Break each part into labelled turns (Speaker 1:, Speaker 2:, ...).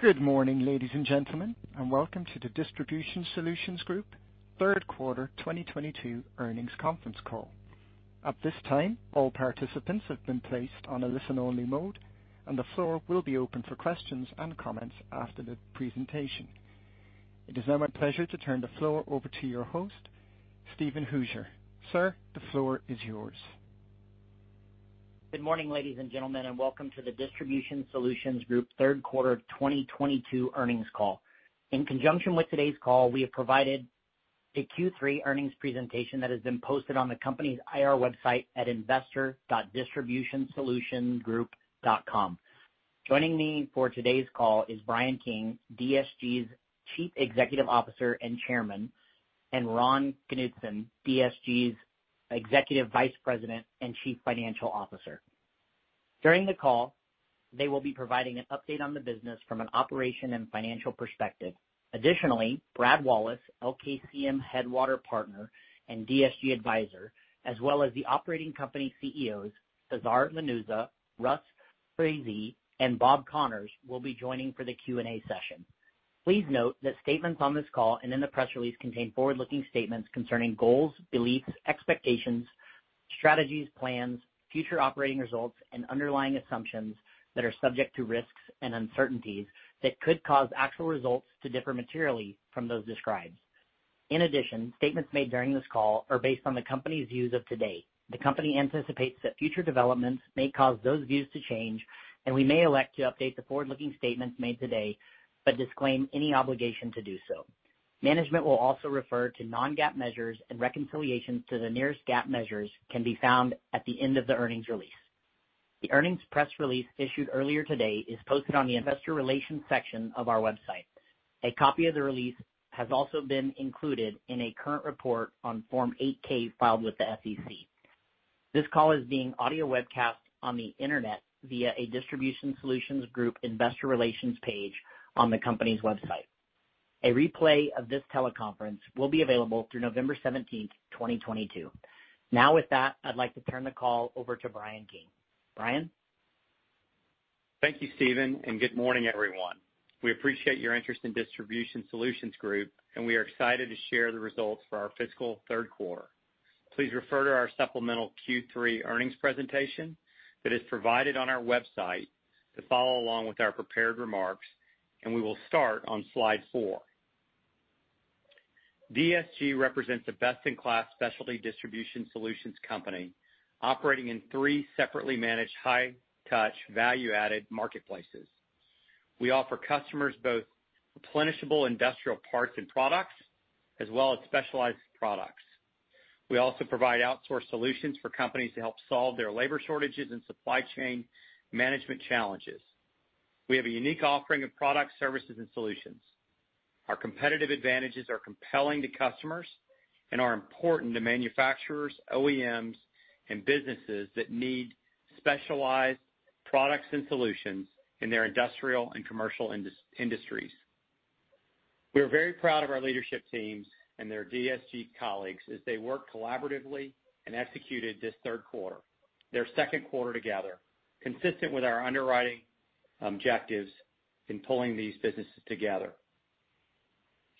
Speaker 1: Good morning, ladies and gentlemen, and welcome to the Distribution Solutions Group third quarter 2022 earnings conference call. At this time, all participants have been placed on a listen-only mode, and the floor will be open for questions and comments after the presentation. It is now my pleasure to turn the floor over to your host, Steven Hooser. Sir, the floor is yours.
Speaker 2: Good morning, ladies and gentlemen, and welcome to the Distribution Solutions Group third quarter of 2022 earnings call. In conjunction with today's call, we have provided a Q3 earnings presentation that has been posted on the company's IR website at investor.distributionsolutionsgroup.com. Joining me for today's call is Bryan King, DSG's Chief Executive Officer and Chairman, and Ron Knutson, DSG's Executive Vice President and Chief Financial Officer. During the call, they will be providing an update on the business from an operational and financial perspective. Additionally, Brad Wallace, LKCM Headwater Partner and DSG Advisor, as well as the operating company CEOs, Cesar Lanuza, Russ Frazee, and Bob Connors, will be joining for the Q&A session. Please note that statements on this call and in the press release contain forward-looking statements concerning goals, beliefs, expectations, strategies, plans, future operating results, and underlying assumptions that are subject to risks and uncertainties that could cause actual results to differ materially from those described. In addition, statements made during this call are based on the company's views of today. The company anticipates that future developments may cause those views to change, and we may elect to update the forward-looking statements made today, but disclaim any obligation to do so. Management will also refer to non-GAAP measures, and reconciliation to the nearest GAAP measures can be found at the end of the earnings release. The earnings press release issued earlier today is posted on the investor relations section of our website. A copy of the release has also been included in a current report on Form 8-K filed with the SEC. This call is being audio webcast on the Internet via a Distribution Solutions Group investor relations page on the company's website. A replay of this teleconference will be available through November 17th, 2022. Now, with that, I'd like to turn the call over to Bryan King. Bryan?
Speaker 3: Thank you, Steven, and good morning, everyone. We appreciate your interest in Distribution Solutions Group, and we are excited to share the results for our fiscal third quarter. Please refer to our supplemental Q3 earnings presentation that is provided on our website to follow along with our prepared remarks, and we will start on Slide 4. DSG represents a best-in-class specialty distribution solutions company operating in three separately managed high-touch, value-added marketplaces. We offer customers both replenishable industrial parts and products, as well as specialized products. We also provide outsource solutions for companies to help solve their labor shortages and supply chain management challenges. We have a unique offering of products, services, and solutions. Our competitive advantages are compelling to customers and are important to manufacturers, OEMs, and businesses that need specialized products and solutions in their industrial and commercial industries. We are very proud of our leadership teams and their DSG colleagues as they worked collaboratively and executed this third quarter, their second quarter together, consistent with our underwriting objectives in pulling these businesses together.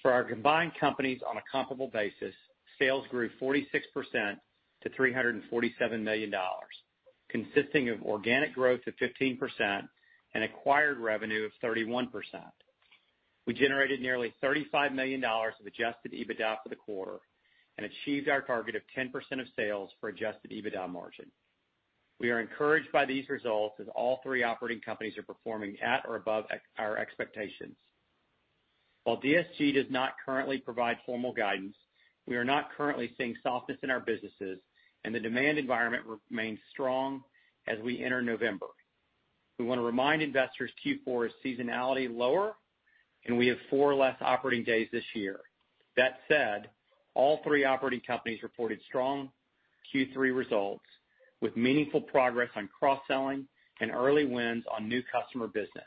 Speaker 3: For our combined companies on a comparable basis, sales grew 46% to $347 million, consisting of organic growth of 15% and acquired revenue of 31%. We generated nearly $35 million of adjusted EBITDA for the quarter and achieved our target of 10% of sales for adjusted EBITDA margin. We are encouraged by these results as all three operating companies are performing at or above our expectations. While DSG does not currently provide formal guidance, we are not currently seeing softness in our businesses and the demand environment remains strong as we enter November. We want to remind investors Q4 is seasonally lower, and we have four less operating days this year. That said, all three operating companies reported strong Q3 results with meaningful progress on cross-selling and early wins on new customer business.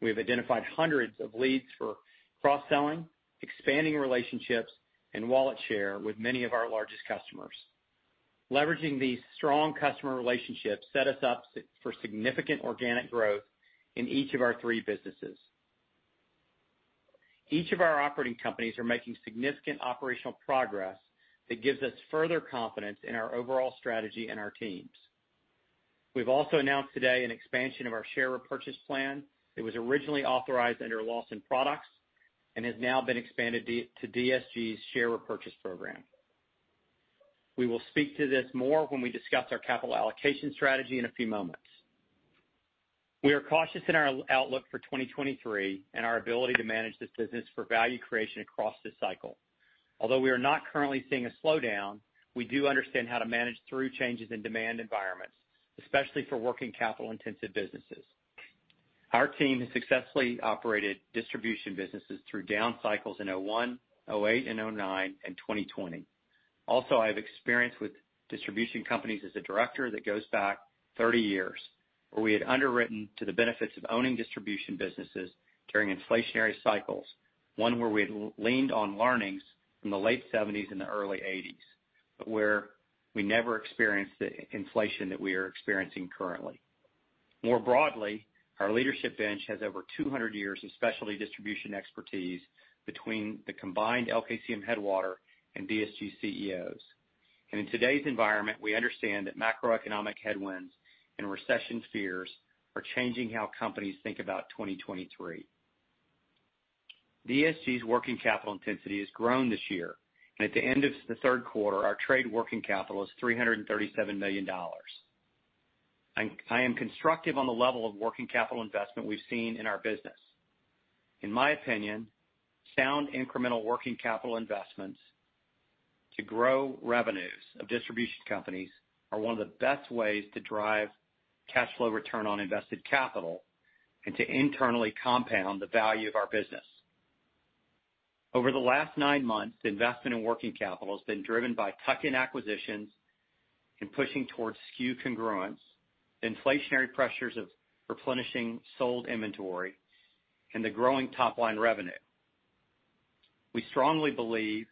Speaker 3: We have identified hundreds of leads for cross-selling, expanding relationships, and wallet share with many of our largest customers. Leveraging these strong customer relationships set us up for significant organic growth in each of our three businesses. Each of our operating companies are making significant operational progress that gives us further confidence in our overall strategy and our teams. We've also announced today an expansion of our share repurchase plan that was originally authorized under Lawson Products and has now been expanded to DSG's share repurchase program. We will speak to this more when we discuss our capital allocation strategy in a few moments. We are cautious in our outlook for 2023 and our ability to manage this business for value creation across this cycle. Although we are not currently seeing a slowdown, we do understand how to manage through changes in demand environments, especially for working capital-intensive businesses. Our team has successfully operated distribution businesses through down cycles in 2001, 2008, and 2009, and 2020. Also, I have experience with distribution companies as a director that goes back 30 years, where we had underwritten to the benefits of owning distribution businesses during inflationary cycles, one where we had leaned on learnings from the late 1970s and the early 1980s. Where we never experienced the inflation that we are experiencing currently. More broadly, our leadership bench has over 200 years of specialty distribution expertise between the combined LKCM Headwater and DSG CEOs. In today's environment, we understand that macroeconomic headwinds and recession fears are changing how companies think about 2023. DSG's working capital intensity has grown this year, and at the end of the third quarter, our trade working capital is $337 million. I am constructive on the level of working capital investment we've seen in our business. In my opinion, sound incremental working capital investments to grow revenues of distribution companies are one of the best ways to drive cash flow return on invested capital and to internally compound the value of our business. Over the last nine months, the investment in working capital has been driven by tuck-in acquisitions and pushing towards SKU congruence, inflationary pressures of replenishing sold inventory, and the growing top-line revenue. We strongly believe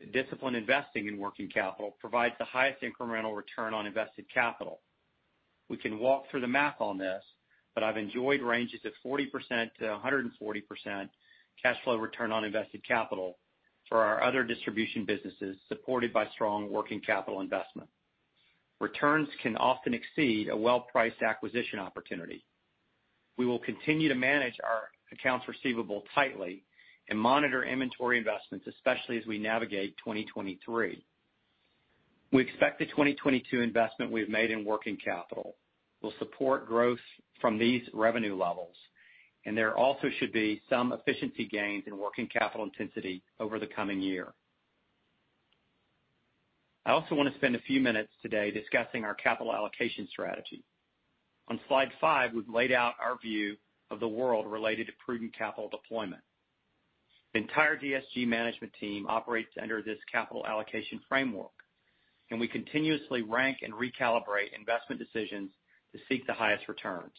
Speaker 3: that disciplined investing in working capital provides the highest incremental return on invested capital. We can walk through the math on this, but I've enjoyed ranges of 40%-140% cash flow return on invested capital for our other distribution businesses, supported by strong working capital investment. Returns can often exceed a well-priced acquisition opportunity. We will continue to manage our accounts receivable tightly and monitor inventory investments, especially as we navigate 2023. We expect the 2022 investment we've made in working capital will support growth from these revenue levels, and there also should be some efficiency gains in working capital intensity over the coming year. I also wanna spend a few minutes today discussing our capital allocation strategy. On Slide 5, we've laid out our view of the world related to prudent capital deployment. The entire DSG management team operates under this capital allocation framework, and we continuously rank and recalibrate investment decisions to seek the highest returns.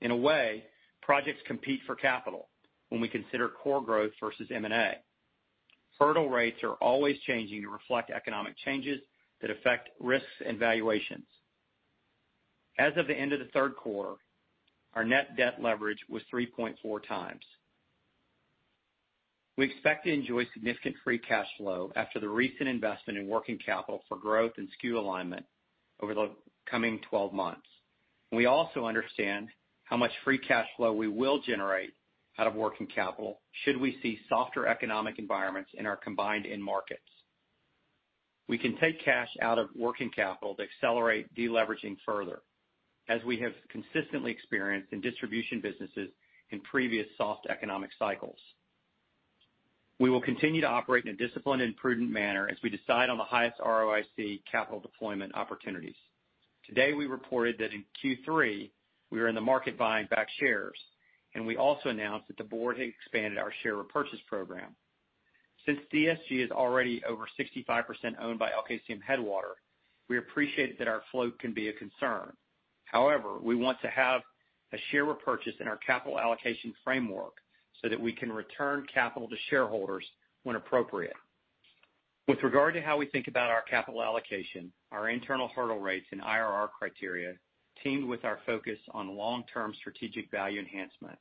Speaker 3: In a way, projects compete for capital when we consider core growth versus M&A. Hurdle rates are always changing to reflect economic changes that affect risks and valuations. As of the end of the third quarter, our net debt leverage was 3.4x. We expect to enjoy significant free cash flow after the recent investment in working capital for growth and SKU alignment over the coming 12 months. We also understand how much free cash flow we will generate out of working capital should we see softer economic environments in our combined end markets. We can take cash out of working capital to accelerate deleveraging further, as we have consistently experienced in distribution businesses in previous soft economic cycles. We will continue to operate in a disciplined and prudent manner as we decide on the highest ROIC capital deployment opportunities. Today, we reported that in Q3, we were in the market buying back shares, and we also announced that the Board had expanded our share repurchase program. Since DSG is already over 65% owned by LKCM Headwater, we appreciate that our float can be a concern. However, we want to have a share repurchase in our capital allocation framework so that we can return capital to shareholders when appropriate. With regard to how we think about our capital allocation, our internal hurdle rates and IRR criteria tempered with our focus on long-term strategic value enhancement.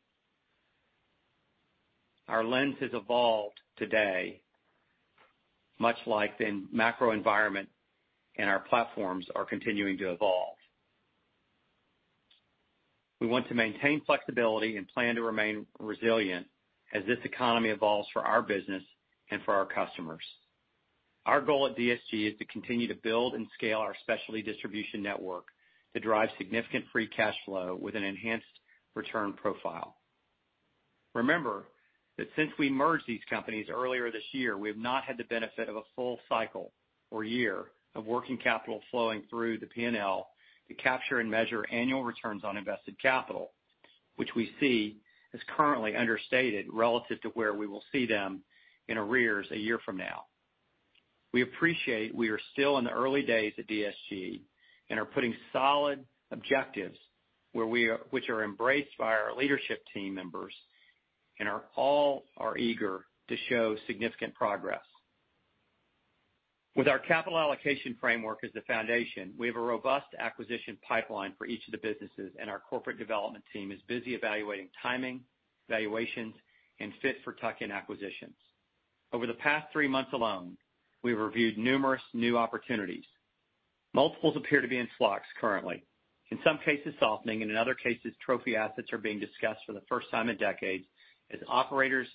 Speaker 3: Our lens has evolved to date, much like the macro environment and our platforms are continuing to evolve. We want to maintain flexibility and plan to remain resilient as this economy evolves for our business and for our customers. Our goal at DSG is to continue to build and scale our specialty distribution network to drive significant free cash flow with an enhanced return profile. Remember that since we merged these companies earlier this year, we have not had the benefit of a full cycle or year of working capital flowing through the P&L to capture and measure annual returns on invested capital, which we see is currently understated relative to where we will see them in arrears a year from now. We appreciate we are still in the early days at DSG and are putting solid objectives where we are, which are embraced by our leadership team members and are all eager to show significant progress. With our capital allocation framework as the foundation, we have a robust acquisition pipeline for each of the businesses, and our corporate development team is busy evaluating timing, valuations, and fit for tuck-in acquisitions. Over the past three months alone, we've reviewed numerous new opportunities. Multiples appear to be in flux currently, in some cases softening and in other cases, trophy assets are being discussed for the first time in decades as operators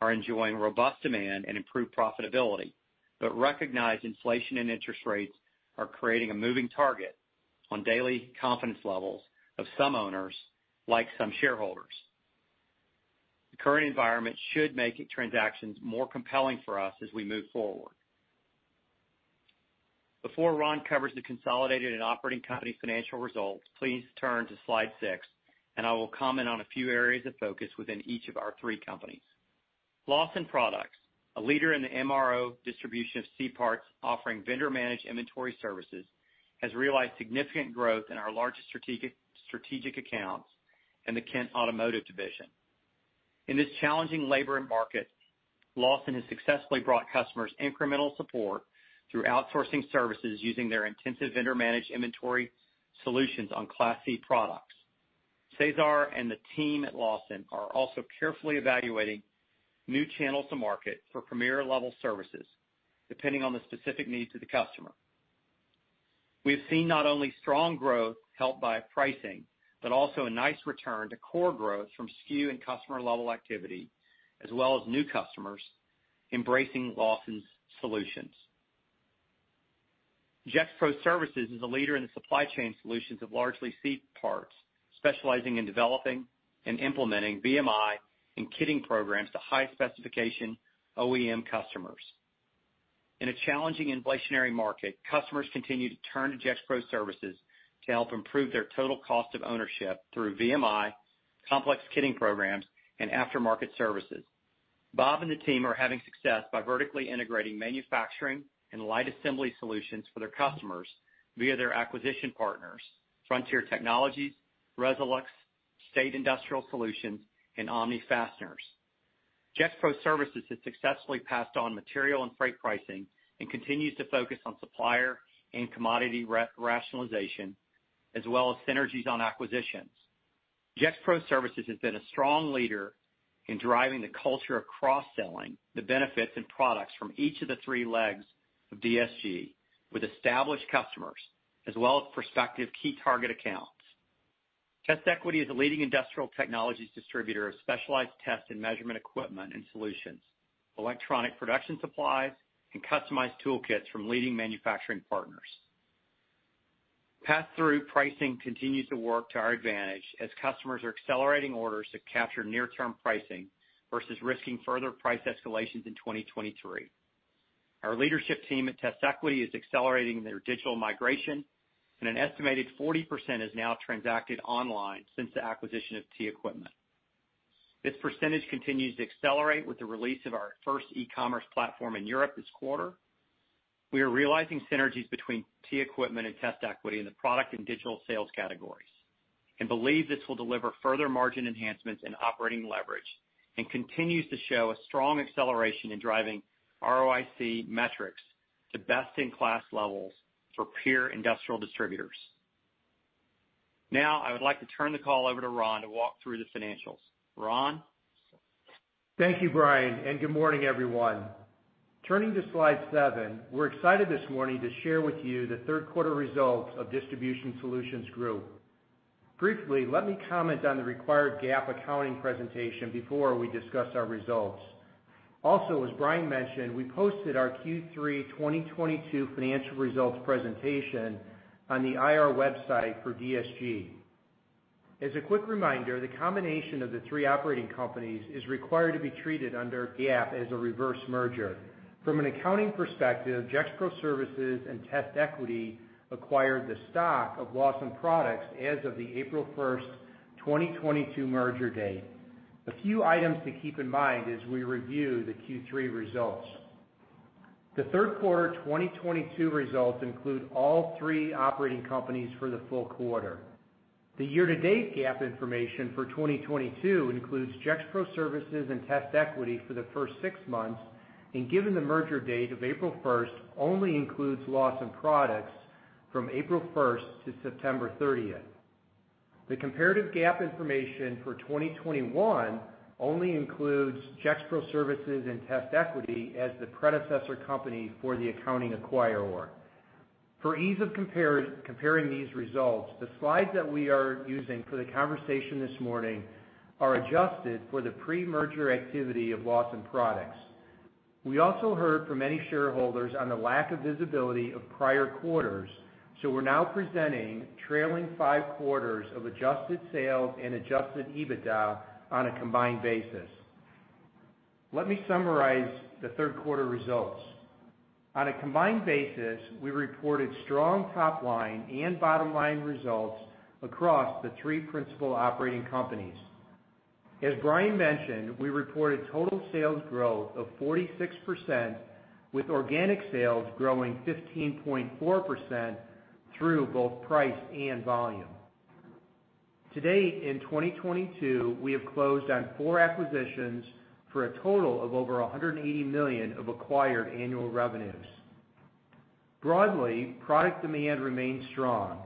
Speaker 3: are enjoying robust demand and improved profitability, but recognize inflation and interest rates are creating a moving target on daily confidence levels of some owners, like some shareholders. The current environment should make transactions more compelling for us as we move forward. Before Ron covers the consolidated and operating company's financial results, please turn to Slide 6, and I will comment on a few areas of focus within each of our three companies. Lawson Products, a leader in the MRO distribution of C-parts offering vendor-managed inventory services, has realized significant growth in our largest strategic accounts and the Kent Automotive division. In this challenging labor and market, Lawson has successfully brought customers incremental support through outsourcing services using their intensive vendor-managed inventory solutions on C-parts. Cesar and the team at Lawson are also carefully evaluating new channels to market for premier level services, depending on the specific needs of the customer. We have seen not only strong growth helped by pricing, but also a nice return to core growth from SKU and customer level activity, as well as new customers embracing Lawson's solutions. Gexpro Services is a leader in the supply chain solutions of largely C-parts, specializing in developing and implementing VMI and kitting programs to high specification OEM customers. In a challenging inflationary market, customers continue to turn to Gexpro Services to help improve their total cost of ownership through VMI, complex kitting programs, and aftermarket services. Bob and the team are having success by vertically integrating manufacturing and light assembly solutions for their customers via their acquisition partners, Frontier Technologies, Resolux, State Industrial Solutions, and Omni Fasteners. Gexpro Services has successfully passed on material and freight pricing and continues to focus on supplier and commodity re-rationalization, as well as synergies on acquisitions. Gexpro Services has been a strong leader in driving the culture of cross-selling the benefits and products from each of the three legs of DSG with established customers, as well as prospective key target accounts. TestEquity is a leading industrial technologies distributor of specialized test and measurement equipment and solutions, electronic production supplies, and customized toolkits from leading manufacturing partners. Pass-through pricing continues to work to our advantage as customers are accelerating orders to capture near-term pricing versus risking further price escalations in 2023. Our leadership team at TestEquity is accelerating their digital migration, and an estimated 40% is now transacted online since the acquisition of TEquipment. This percentage continues to accelerate with the release of our first e-commerce platform in Europe this quarter. We are realizing synergies between TEquipment and TestEquity in the product and digital sales categories and believe this will deliver further margin enhancements in operating leverage and continues to show a strong acceleration in driving ROIC metrics to best-in-class levels for peer industrial distributors. Now, I would like to turn the call over to Ron to walk through the financials. Ron?
Speaker 4: Thank you, Bryan, and good morning, everyone. Turning to Slide 7, we're excited this morning to share with you the third quarter results of Distribution Solutions Group. Briefly, let me comment on the required GAAP accounting presentation before we discuss our results. Also, as Bryan mentioned, we posted our Q3 2022 financial results presentation on the IR website for DSG. As a quick reminder, the combination of the three operating companies is required to be treated under GAAP as a reverse merger. From an accounting perspective, Gexpro Services and TestEquity acquired the stock of Lawson Products as of the April 1, 2022 merger date. A few items to keep in mind as we review the Q3 results. The third quarter 2022 results include all three operating companies for the full quarter. The year-to-date GAAP information for 2022 includes Gexpro Services and TestEquity for the first six months, and given the merger date of April 1st, only includes Lawson Products from April 1st to September 30th. The comparative GAAP information for 2021 only includes Gexpro Services and TestEquity as the predecessor company for the accounting acquirer. For ease of comparing these results, the slides that we are using for the conversation this morning are adjusted for the pre-merger activity of Lawson Products. We also heard from many shareholders on the lack of visibility of prior quarters, so we're now presenting trailing five quarters of adjusted sales and adjusted EBITDA on a combined basis. Let me summarize the third quarter results. On a combined basis, we reported strong top line and bottom line results across the three principal operating companies. As Bryan mentioned, we reported total sales growth of 46%, with organic sales growing 15.4% through both price and volume. To date, in 2022, we have closed on four acquisitions for a total of over $180 million of acquired annual revenues. Broadly, product demand remains strong.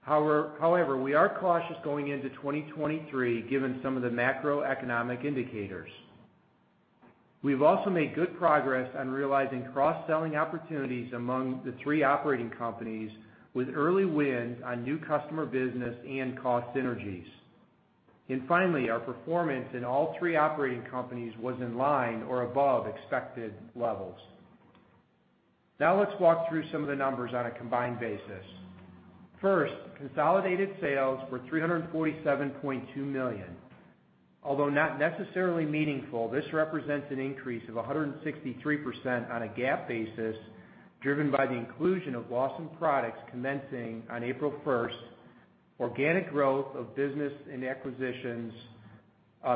Speaker 4: However, we are cautious going into 2023, given some of the macroeconomic indicators. We've also made good progress on realizing cross-selling opportunities among the three operating companies with early wins on new customer business and cost synergies. Finally, our performance in all three operating companies was in line or above expected levels. Now, let's walk through some of the numbers on a combined basis. First, consolidated sales were $347.2 million. Although not necessarily meaningful, this represents an increase of 163% on a GAAP basis, driven by the inclusion of Lawson Products commencing on April 1st, organic growth of business and acquisitions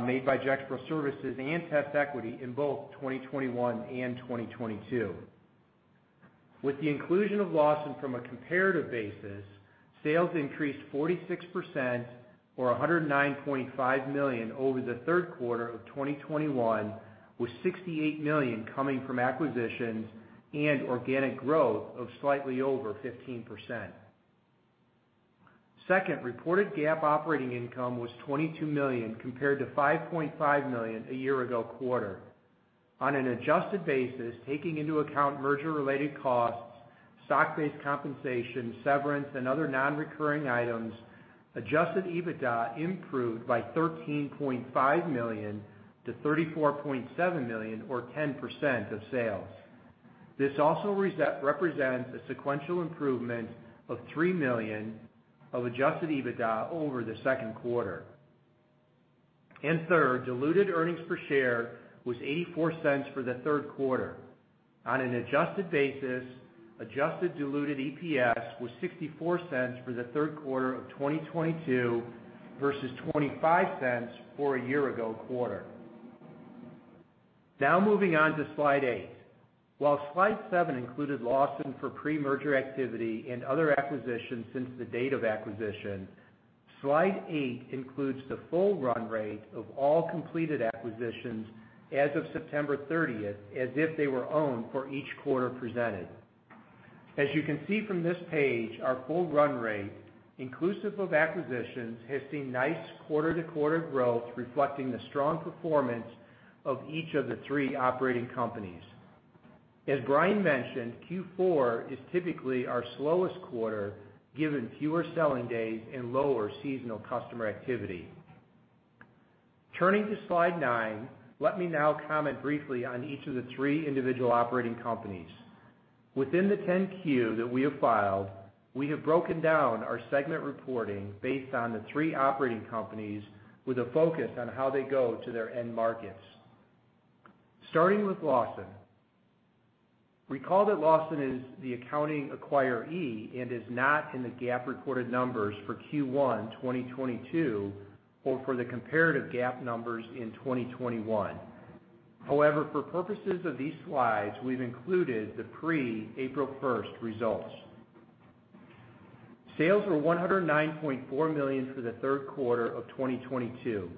Speaker 4: made by Gexpro Services and TestEquity in both 2021 and 2022. With the inclusion of Lawson from a comparative basis, sales increased 46% or $109.5 million over the third quarter of 2021, with $68 million coming from acquisitions and organic growth of slightly over 15%. Second, reported GAAP operating income was $22 million compared to $5.5 million a year-ago quarter. On an adjusted basis, taking into account merger-related costs, stock-based compensation, severance, and other non-recurring items, adjusted EBITDA improved by $13.5 million to $34.7 million or 10% of sales. This also represents a sequential improvement of $3 million of adjusted EBITDA over the second quarter. Third, diluted earnings per share was $0.84 for the third quarter. On an adjusted basis, adjusted diluted EPS was $0.64 for the third quarter of 2022 versus $0.25 for a year ago quarter. Now moving on to Slide 8. While Slide 7 included Lawson for pre-merger activity and other acquisitions since the date of acquisition, Slide 8 includes the full run rate of all completed acquisitions as of September 30th, as if they were owned for each quarter presented. As you can see from this page, our full run rate, inclusive of acquisitions, has seen nice quarter-to-quarter growth reflecting the strong performance of each of the three operating companies. As Bryan mentioned, Q4 is typically our slowest quarter given fewer selling days and lower seasonal customer activity. Turning to Slide 9, let me now comment briefly on each of the three individual operating companies. Within the 10-Q that we have filed, we have broken down our segment reporting based on the three operating companies with a focus on how they go to their end markets. Starting with Lawson. Recall that Lawson is the accounting acquiree and is not in the GAAP reported numbers for Q1 2022 or for the comparative GAAP numbers in 2021. However, for purposes of these slides, we've included the pre-April 1st results. Sales were $109.4 million for the third quarter of 2022.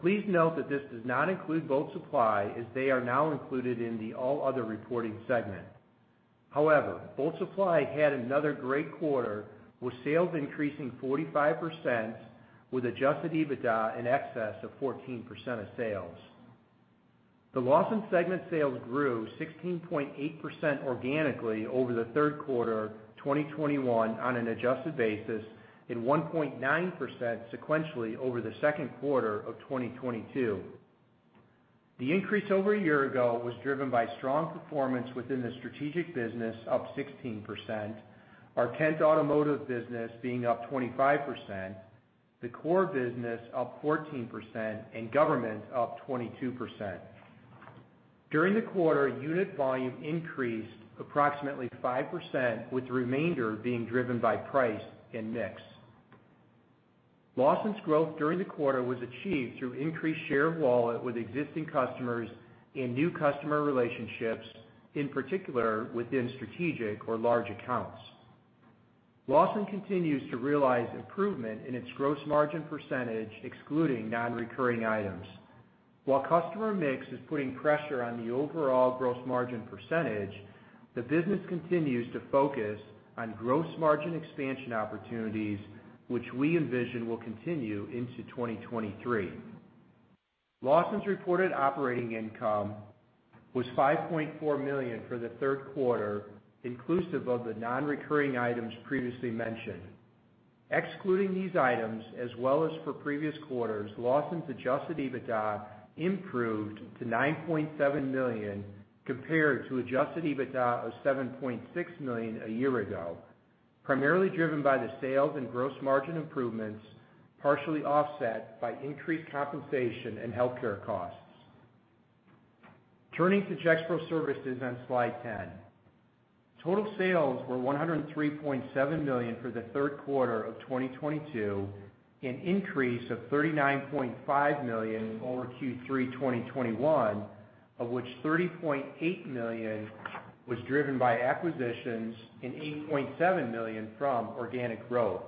Speaker 4: Please note that this does not include Bolt Supply as they are now included in the all other reporting segment. However, Bolt Supply had another great quarter with sales increasing 45% with adjusted EBITDA in excess of 14% of sales. The Lawson segment sales grew 16.8% organically over the third quarter of 2021 on an adjusted basis and 1.9% sequentially over the second quarter of 2022. The increase over a year ago was driven by strong performance within the strategic business up 16%, our Kent Automotive business being up 25%, the core business up 14%, and government up 22%. During the quarter, unit volume increased approximately 5%, with the remainder being driven by price and mix. Lawson's growth during the quarter was achieved through increased share of wallet with existing customers and new customer relationships, in particular within strategic or large accounts. Lawson continues to realize improvement in its gross margin percentage, excluding non-recurring items. While customer mix is putting pressure on the overall gross margin percentage, the business continues to focus on gross margin expansion opportunities, which we envision will continue into 2023. Lawson's reported operating income was $5.4 million for the third quarter, inclusive of the non-recurring items previously mentioned. Excluding these items, as well as for previous quarters, Lawson's adjusted EBITDA improved to $9.7 million compared to adjusted EBITDA of $7.6 million a year ago, primarily driven by the sales and gross margin improvements, partially offset by increased compensation and healthcare costs. Turning to Gexpro Services on Slide 10. Total sales were $103.7 million for the third quarter of 2022, an increase of $39.5 million over Q3 2021, of which $30.8 million was driven by acquisitions and $8.7 million from organic growth.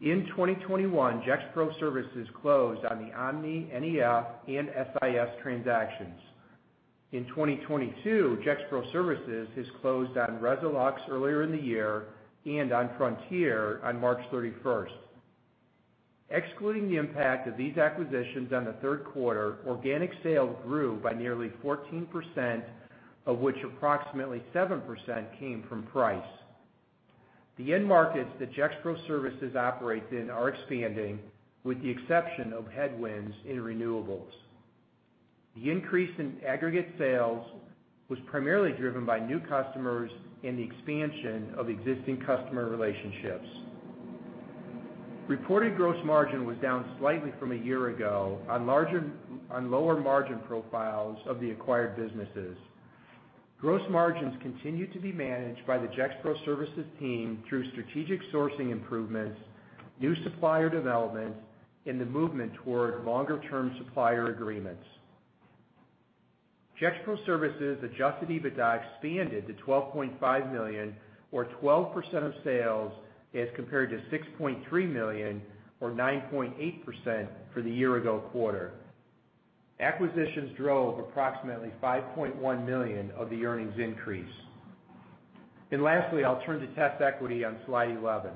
Speaker 4: In 2021, Gexpro Services closed on the Omni, NEF, and SIS transactions. In 2022, Gexpro Services has closed on Resolux earlier in the year and on Frontier on March 31st. Excluding the impact of these acquisitions on the third quarter, organic sales grew by nearly 14%, of which approximately 7% came from price. The end markets that Gexpro Services operates in are expanding with the exception of headwinds in renewables. The increase in aggregate sales was primarily driven by new customers and the expansion of existing customer relationships. Reported gross margin was down slightly from a year ago on lower margin profiles of the acquired businesses. Gross margins continue to be managed by the Gexpro Services team through strategic sourcing improvements. New supplier development and the movement toward longer-term supplier agreements. Gexpro Services adjusted EBITDA expanded to $12.5 million or 12% of sales, as compared to $6.3 million or 9.8% for the year ago quarter. Acquisitions drove approximately $5.1 million of the earnings increase. Lastly, I'll turn to TestEquity on Slide 11.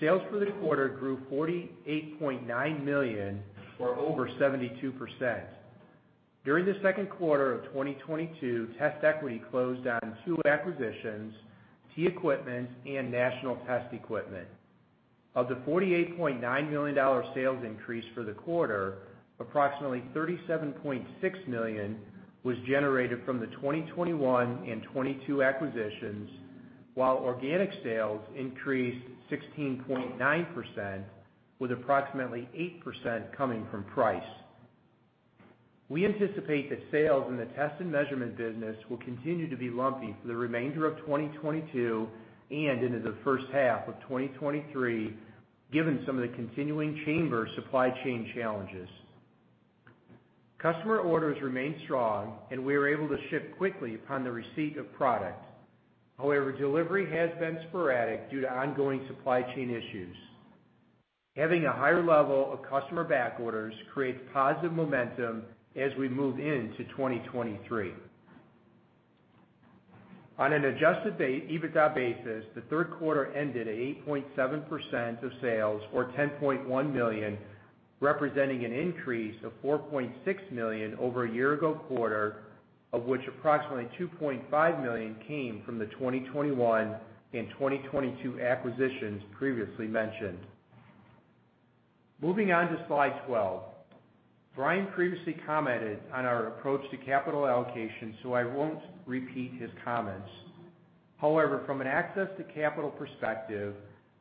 Speaker 4: Sales for the quarter grew $48.9 million or over 72%. During the second quarter of 2022, TestEquity closed on two acquisitions, TEquipment and National Test Equipment. Of the $48.9 million sales increase for the quarter, approximately $37.6 million was generated from the 2021 and 2022 acquisitions, while organic sales increased 16.9% with approximately 8% coming from price. We anticipate that sales in the test and measurement business will continue to be lumpy for the remainder of 2022 and into the first half of 2023, given some of the continuing semiconductor supply chain challenges. Customer orders remain strong, and we are able to ship quickly upon the receipt of product. However, delivery has been sporadic due to ongoing supply chain issues. Having a higher level of customer back orders creates positive momentum as we move into 2023. On an adjusted EBITDA basis, the third quarter ended at 8.7% of sales or $10.1 million, representing an increase of $4.6 million over a year-ago quarter, of which approximately $2.5 million came from the 2021 and 2022 acquisitions previously mentioned. Moving on to Slide 12. Bryan previously commented on our approach to capital allocation, so I won't repeat his comments. However, from an access to capital perspective,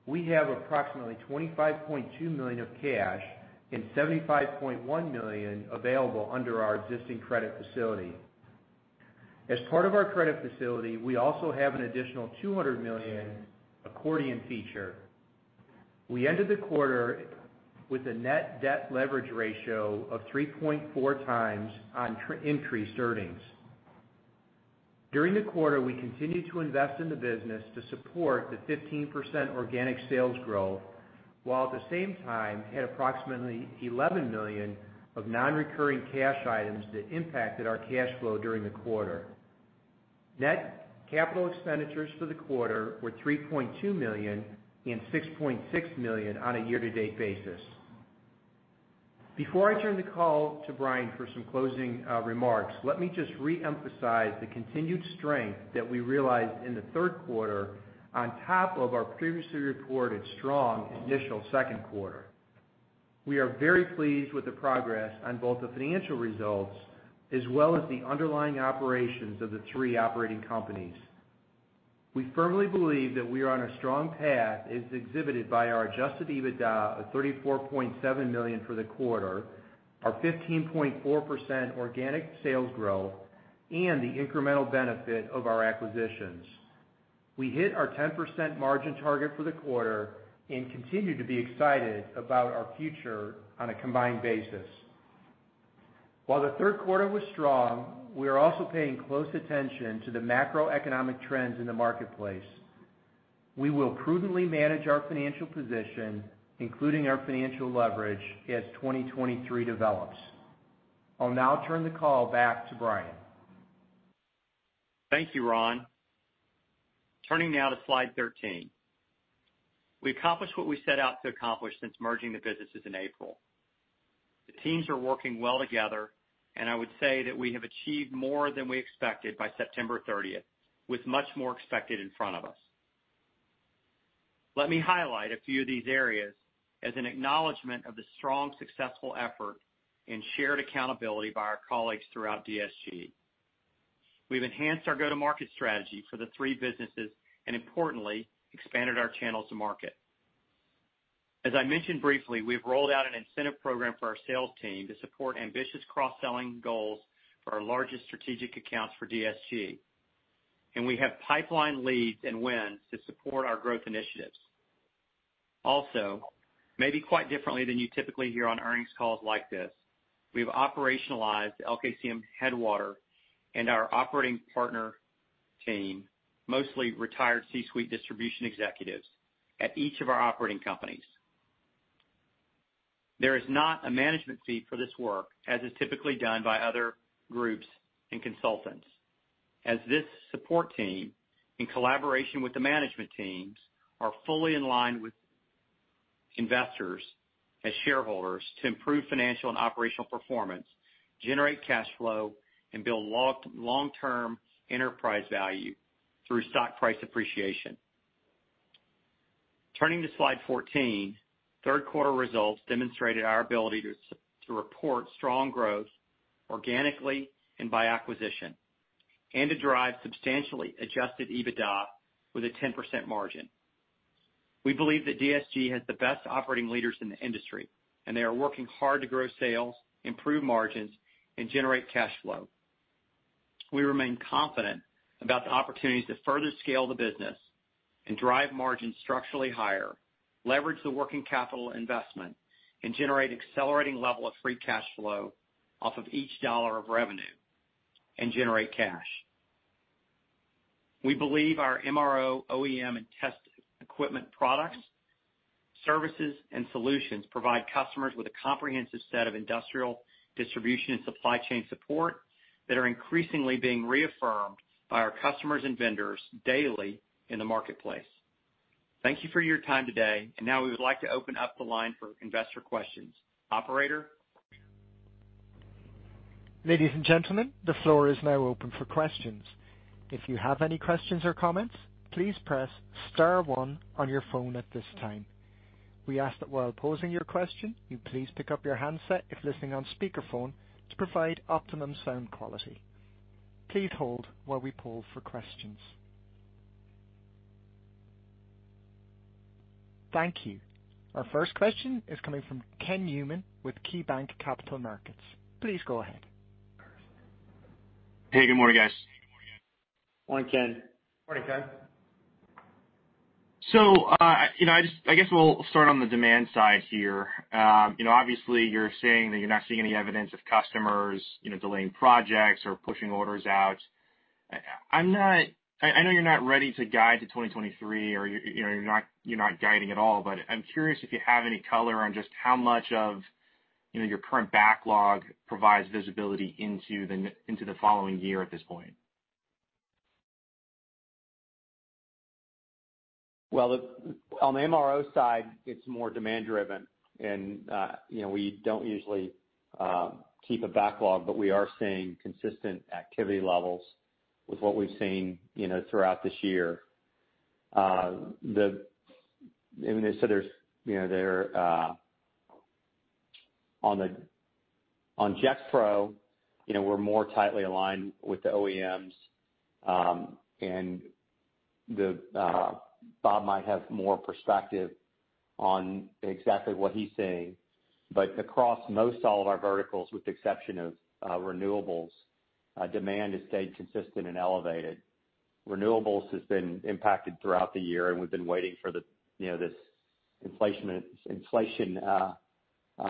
Speaker 4: we have approximately $25.2 million of cash and $75.1 million available under our existing credit facility. As part of our credit facility, we also have an additional $200 million accordion feature. We ended the quarter with a net debt leverage ratio of 3.4x on increased earnings. During the quarter, we continued to invest in the business to support the 15% organic sales growth, while at the same time had approximately $11 million of non-recurring cash items that impacted our cash flow during the quarter. Net capital expenditures for the quarter were $3.2 million and $6.6 million on a year-to-date basis. Before I turn the call to Bryan for some closing remarks, let me just reemphasize the continued strength that we realized in the third quarter on top of our previously reported strong initial second quarter. We are very pleased with the progress on both the financial results as well as the underlying operations of the three operating companies. We firmly believe that we are on a strong path, as exhibited by our adjusted EBITDA of $34.7 million for the quarter, our 15.4% organic sales growth, and the incremental benefit of our acquisitions. We hit our 10% margin target for the quarter and continue to be excited about our future on a combined basis. While the third quarter was strong, we are also paying close attention to the macroeconomic trends in the marketplace. We will prudently manage our financial position, including our financial leverage, as 2023 develops. I'll now turn the call back to Bryan.
Speaker 3: Thank you, Ron. Turning now to Slide 13. We accomplished what we set out to accomplish since merging the businesses in April. The teams are working well together, and I would say that we have achieved more than we expected by September 30th, with much more expected in front of us. Let me highlight a few of these areas as an acknowledgement of the strong, successful effort and shared accountability by our colleagues throughout DSG. We've enhanced our go-to-market strategy for the three businesses and, importantly, expanded our channels to market. As I mentioned briefly, we've rolled out an incentive program for our sales team to support ambitious cross-selling goals for our largest strategic accounts for DSG, and we have pipeline leads and wins to support our growth initiatives. Also, maybe quite differently than you typically hear on earnings calls like this, we've operationalized LKCM Headwater and our operating partner team, mostly retired C-suite distribution executives at each of our operating companies. There is not a management fee for this work, as is typically done by other groups and consultants, as this support team, in collaboration with the management teams, are fully in line with investors as shareholders to improve financial and operational performance, generate cash flow, and build long, long-term enterprise value through stock price appreciation. Turning to Slide 14, third quarter results demonstrated our ability to report strong growth organically and by acquisition, and to drive substantially adjusted EBITDA with a 10% margin. We believe that DSG has the best operating leaders in the industry, and they are working hard to grow sales, improve margins, and generate cash flow. We remain confident about the opportunities to further scale the business and drive margins structurally higher, leverage the working capital investment, and generate accelerating level of free cash flow off of each dollar of revenue and generate cash. We believe our MRO, OEM and test equipment products, services, and solutions provide customers with a comprehensive set of industrial distribution and supply chain support that are increasingly being reaffirmed by our customers and vendors daily in the marketplace. Thank you for your time today. Now we would like to open up the line for investor questions. Operator?
Speaker 1: Ladies and gentlemen, the floor is now open for questions. If you have any questions or comments, please press star one on your phone at this time. We ask that while posing your question, you please pick up your handset if listening on speakerphone to provide optimum sound quality. Please hold while we poll for questions. Thank you. Our first question is coming from Ken Newman with KeyBanc Capital Markets. Please go ahead.
Speaker 5: Hey, good morning, guys.
Speaker 3: Morning, Ken.
Speaker 6: Morning, Ken.
Speaker 5: I guess we'll start on the demand side here. Obviously you're saying that you're not seeing any evidence of customers delaying projects or pushing orders out. I know you're not ready to guide to 2023 or you're not guiding at all. I'm curious if you have any color on just how much of your current backlog provides visibility into the following year at this point.
Speaker 3: On the MRO side, it's more demand driven and, you know, we don't usually keep a backlog, but we are seeing consistent activity levels with what we've seen, you know, throughout this year. I mean, there's, you know, on Gexpro, you know, we're more tightly aligned with the OEMs, and Bob might have more perspective on exactly what he's seeing. Across most all of our verticals, with the exception of renewables, demand has stayed consistent and elevated. Renewables has been impacted throughout the year, and we've been waiting for the, you know, Inflation Reduction Act, the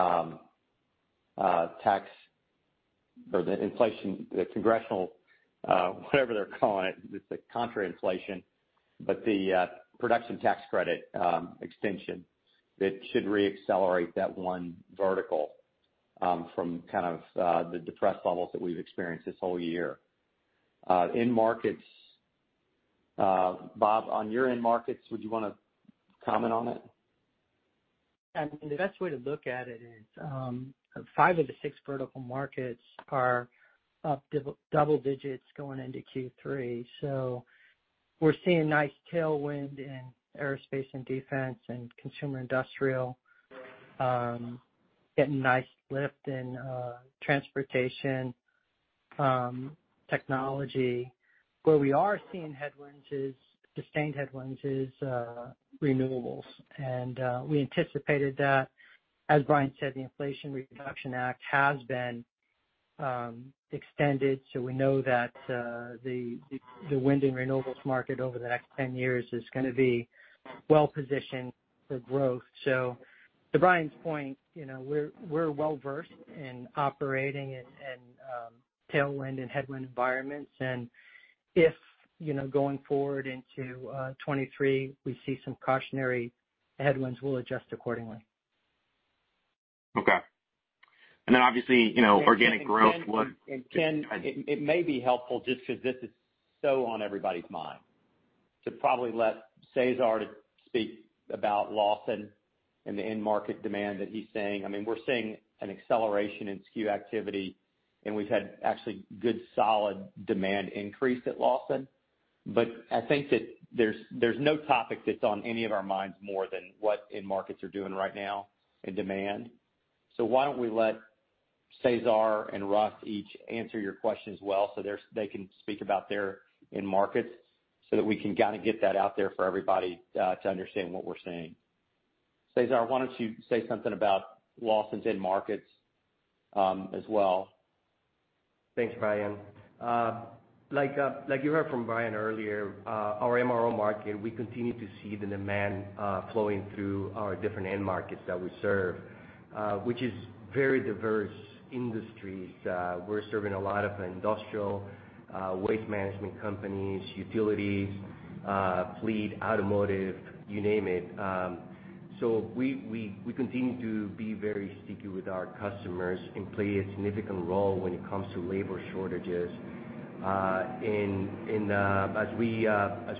Speaker 3: production tax credit extension that should re-accelerate that one vertical from kind of the depressed levels that we've experienced this whole year. End markets, Bob, on your end markets, would you wanna comment on it?
Speaker 6: I mean, the best way to look at it is five of the six vertical markets are up double-digits going into Q3. We're seeing nice tailwind in aerospace and defense and consumer industrial, getting nice lift in transportation, technology. Where we are seeing headwinds is sustained headwinds in renewables. We anticipated that. As Bryan said, the Inflation Reduction Act has been extended, so we know that the wind and renewables market over the next 10 years is gonna be well positioned for growth. To Bryan's point, you know, we're well versed in operating in tailwind and headwind environments. If, you know, going forward into 2023, we see some cautionary headwinds, we'll adjust accordingly.
Speaker 5: Okay. Obviously, you know, organic growth would
Speaker 3: Ken, it may be helpful just 'cause this is so on everybody's mind to probably let Cesar to speak about Lawson and the end market demand that he's seeing. I mean, we're seeing an acceleration in SKU activity, and we've had actually good solid demand increase at Lawson. I think that there's no topic that's on any of our minds more than what end markets are doing right now in demand. Why don't we let Cesar and Russ each answer your question as well, so they can speak about their end markets so that we can kinda get that out there for everybody, to understand what we're seeing. Cesar, why don't you say something about Lawson's end markets, as well?
Speaker 7: Thanks, Bryan. Like you heard from Bryan earlier, our MRO market, we continue to see the demand flowing through our different end markets that we serve, which is very diverse industries. We're serving a lot of industrial, waste management companies, utilities, fleet, automotive, you name it. We continue to be very sticky with our customers and play a significant role when it comes to labor shortages. As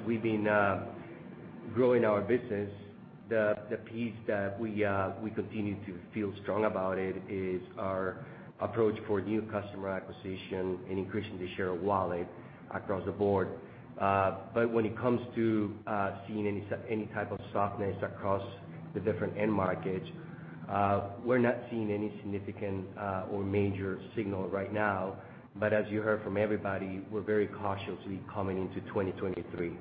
Speaker 7: we've been growing our business, the piece that we continue to feel strong about it is our approach for new customer acquisition and increasing the share of wallet across the board. When it comes to seeing any type of softness across the different end markets, we're not seeing any significant or major signal right now. As you heard from everybody, we're very cautious coming into 2023.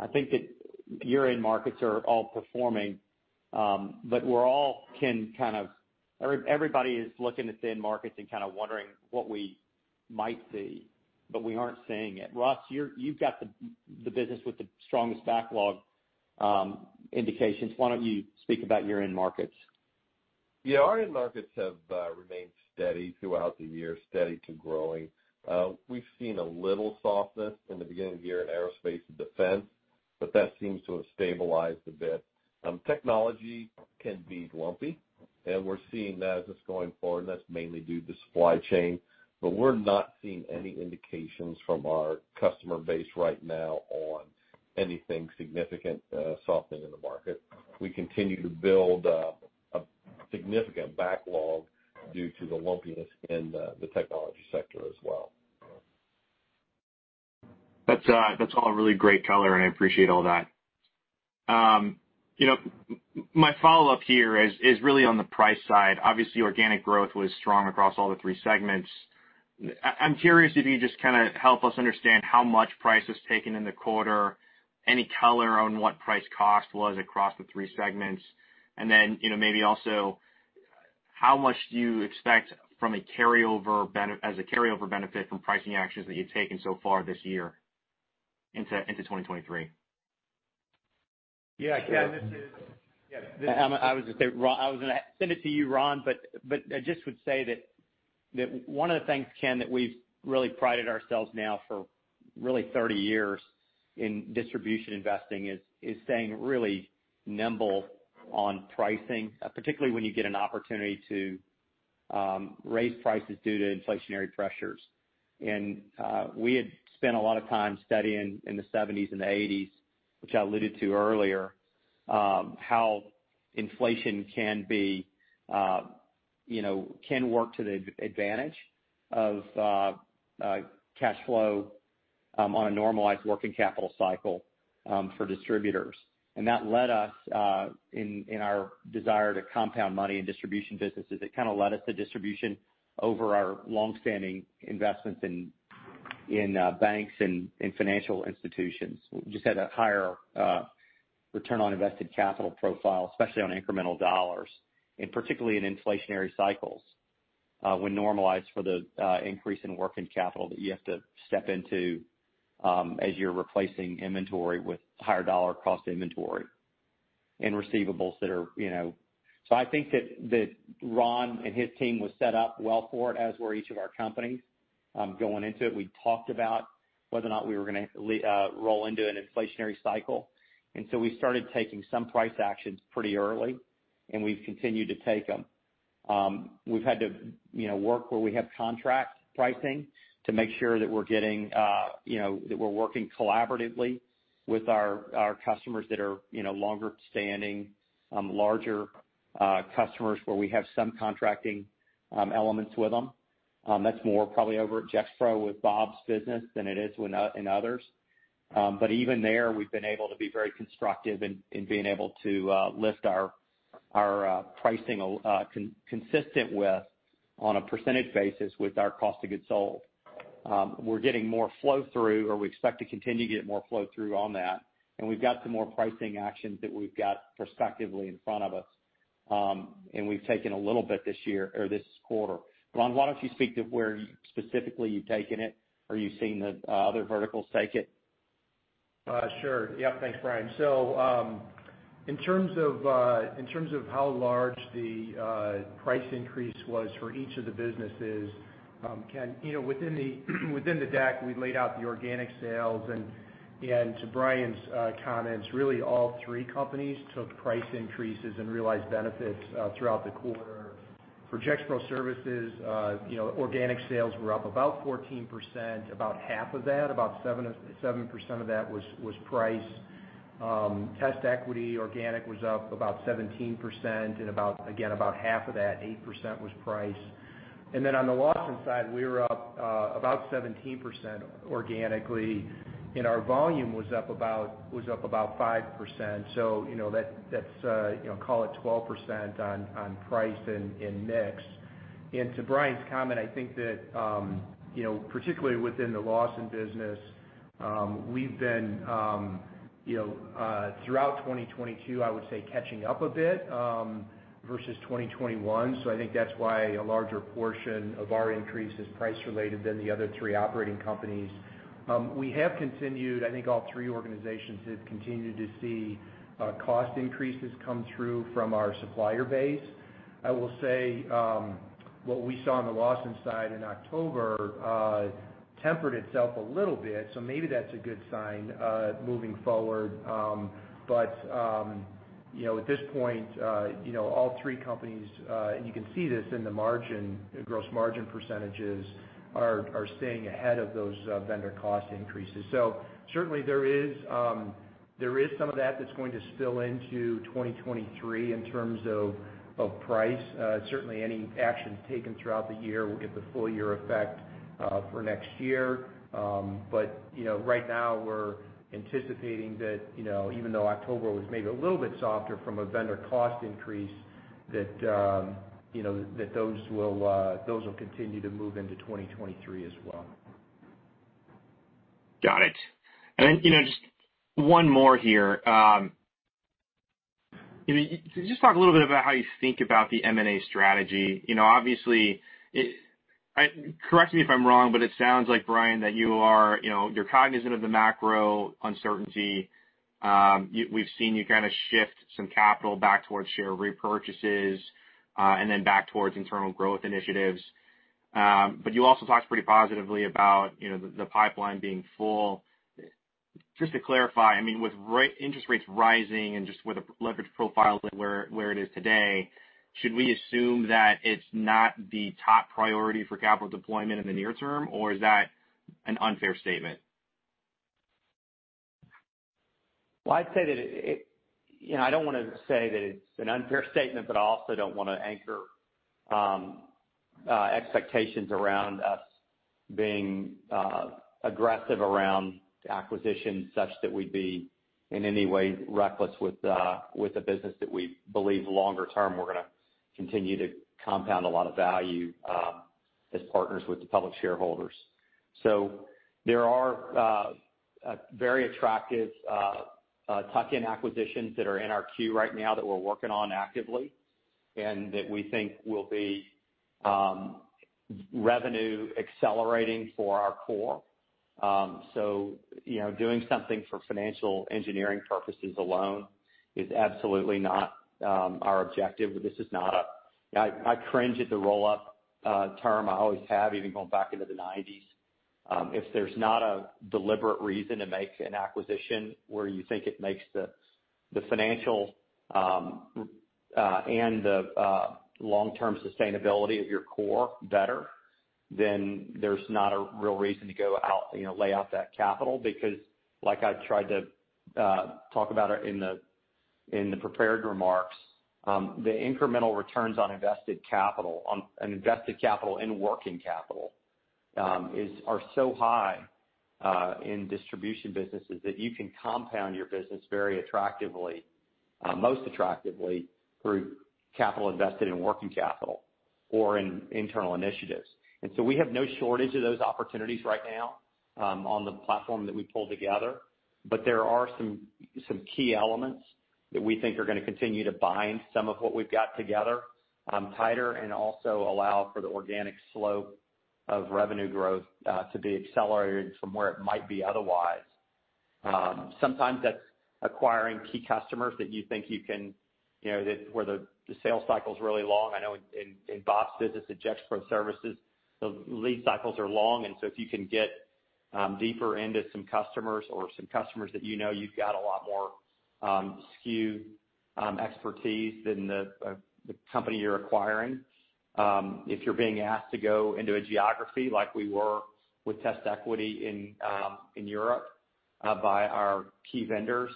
Speaker 3: I think that your end markets are all performing, but everybody is looking at the end markets and kinda wondering what we might see, but we aren't seeing it. Russ, you've got the business with the strongest backlog indications. Why don't you speak about your end markets?
Speaker 8: Yeah. Our end markets have remained steady throughout the year, steady to growing. We've seen a little softness in the beginning of the year in aerospace and defense, but that seems to have stabilized a bit. Technology can be lumpy, and we're seeing that as it's going forward, and that's mainly due to supply chain. But we're not seeing any indications from our customer base right now on anything significant softening in the market. We continue to build a significant backlog due to the lumpiness in the technology sector as well.
Speaker 5: That's all really great color, and I appreciate all that. You know, my follow-up here is really on the price side. Obviously, organic growth was strong across all the three segments. I'm curious if you just kinda help us understand how much price was taken in the quarter, any color on what price cost was across the three segments. Then, you know, maybe also how much do you expect from a carryover benefit from pricing actions that you've taken so far this year into 2023?
Speaker 3: Yeah. Ken, this is
Speaker 4: Yeah.
Speaker 3: I was gonna say, I was gonna send it to you, Ron, but I just would say that one of the things, Ken, that we've really prided ourselves now for really 30 years in distribution investing is staying really nimble on pricing, particularly when you get an opportunity to raise prices due to inflationary pressures. We had spent a lot of time studying in the 1970s and the 1980s, which I alluded to earlier, how inflation can be, you know, can work to the advantage of cash flow on a normalized working capital cycle for distributors. That led us in our desire to compound money in distribution businesses, it kinda led us to distribution over our long-standing investments in banks and financial institutions. We just had a higher return on invested capital profile, especially on incremental dollars, and particularly in inflationary cycles, when normalized for the increase in working capital that you have to step into, as you're replacing inventory with higher dollar cost inventory and receivables that are. I think that Ron and his team was set up well for it, as were each of our companies, going into it. We talked about whether or not we were gonna roll into an inflationary cycle. We started taking some price actions pretty early, and we've continued to take them. We've had to, you know, work where we have contract pricing to make sure that we're getting, you know, that we're working collaboratively with our customers that are, you know, longer standing, larger customers where we have some contracting elements with them. That's more probably over at Gexpro with Bob's business than it is in others. Even there, we've been able to be very constructive in being able to lift our pricing consistent with, on a percentage basis, with our cost of goods sold. We're getting more flow through, or we expect to continue to get more flow through on that, and we've got some more pricing actions that we've got prospectively in front of us. We've taken a little bit this year or this quarter. Ron, why don't you speak to where specifically you've taken it or you've seen the other verticals take it?
Speaker 4: Sure. Yeah. Thanks, Brian. In terms of how large the price increase was for each of the businesses, Ken, you know, within the deck, we laid out the organic sales. To Brian's comments, really all three companies took price increases and realized benefits throughout the quarter. For Gexpro Services, you know, organic sales were up about 14%, about half of that, about 7% of that was price. TestEquity, organic was up about 17%, and about, again, about half of that 8% was price. On the Lawson side, we were up about 17% organically, and our volume was up about 5%. You know, that's, you know, call it 12% on price and mix. To Bryan's comment, I think that, you know, particularly within the Lawson business, we've been, you know, throughout 2022, I would say catching up a bit, versus 2021. So I think that's why a larger portion of our increase is price related than the other three operating companies. We have continued, I think all three organizations have continued to see, cost increases come through from our supplier base. I will say, what we saw on the Lawson side in October, tempered itself a little bit, so maybe that's a good sign, moving forward. But, you know, at this point, you know, all three companies, and you can see this in the margin, gross margin percentages are staying ahead of those, vendor cost increases. Certainly there is some of that that's going to spill into 2023 in terms of price. Certainly any actions taken throughout the year will get the full-year effect for next year. Right now we're anticipating that, you know, even though October was maybe a little bit softer from a vendor cost increase.
Speaker 3: That, you know, those will continue to move into 2023 as well.
Speaker 5: Got it. You know, just one more here. You know, could just talk a little bit about how you think about the M&A strategy. You know, obviously, correct me if I'm wrong, but it sounds like, Bryan, that you are, you know, you're cognizant of the macro uncertainty. We've seen you kind of shift some capital back towards share repurchases, and then back towards internal growth initiatives. But you also talked pretty positively about, you know, the pipeline being full. Just to clarify, I mean, with interest rates rising and just with the leverage profile where it is today, should we assume that it's not the top priority for capital deployment in the near-term, or is that an unfair statement?
Speaker 3: Well, I'd say that you know, I don't wanna say that it's an unfair statement, but I also don't wanna anchor expectations around us being aggressive around acquisitions such that we'd be in any way reckless with the business that we believe longer-term we're gonna continue to compound a lot of value as partners with the public shareholders. There are very attractive tuck-in acquisitions that are in our queue right now that we're working on actively, and that we think will be revenue accelerating for our core. You know, doing something for financial engineering purposes alone is absolutely not our objective. This is not a roll-up. I cringe at the roll-up term. I always have, even going back into the 90s. If there's not a deliberate reason to make an acquisition where you think it makes the financial and the long-term sustainability of your core better, then there's not a real reason to go out, you know, lay out that capital because like I tried to talk about it in the prepared remarks, the incremental returns on invested capital, on invested capital and working capital, are so high in distribution businesses that you can compound your business very attractively, most attractively through capital invested in working capital or in internal initiatives. We have no shortage of those opportunities right now on the platform that we pulled together. There are some key elements that we think are gonna continue to bind some of what we've got together, tighter and also allow for the organic slope of revenue growth, to be accelerated from where it might be otherwise. Sometimes that's acquiring key customers that you think you can, you know, that where the sales cycle is really long. I know in Gexpro business, the Gexpro Services, the lead cycles are long. If you can get deeper into some customers that you know you've got a lot more SKU expertise than the company you're acquiring, if you're being asked to go into a geography like we were with TestEquity in Europe by our key vendors,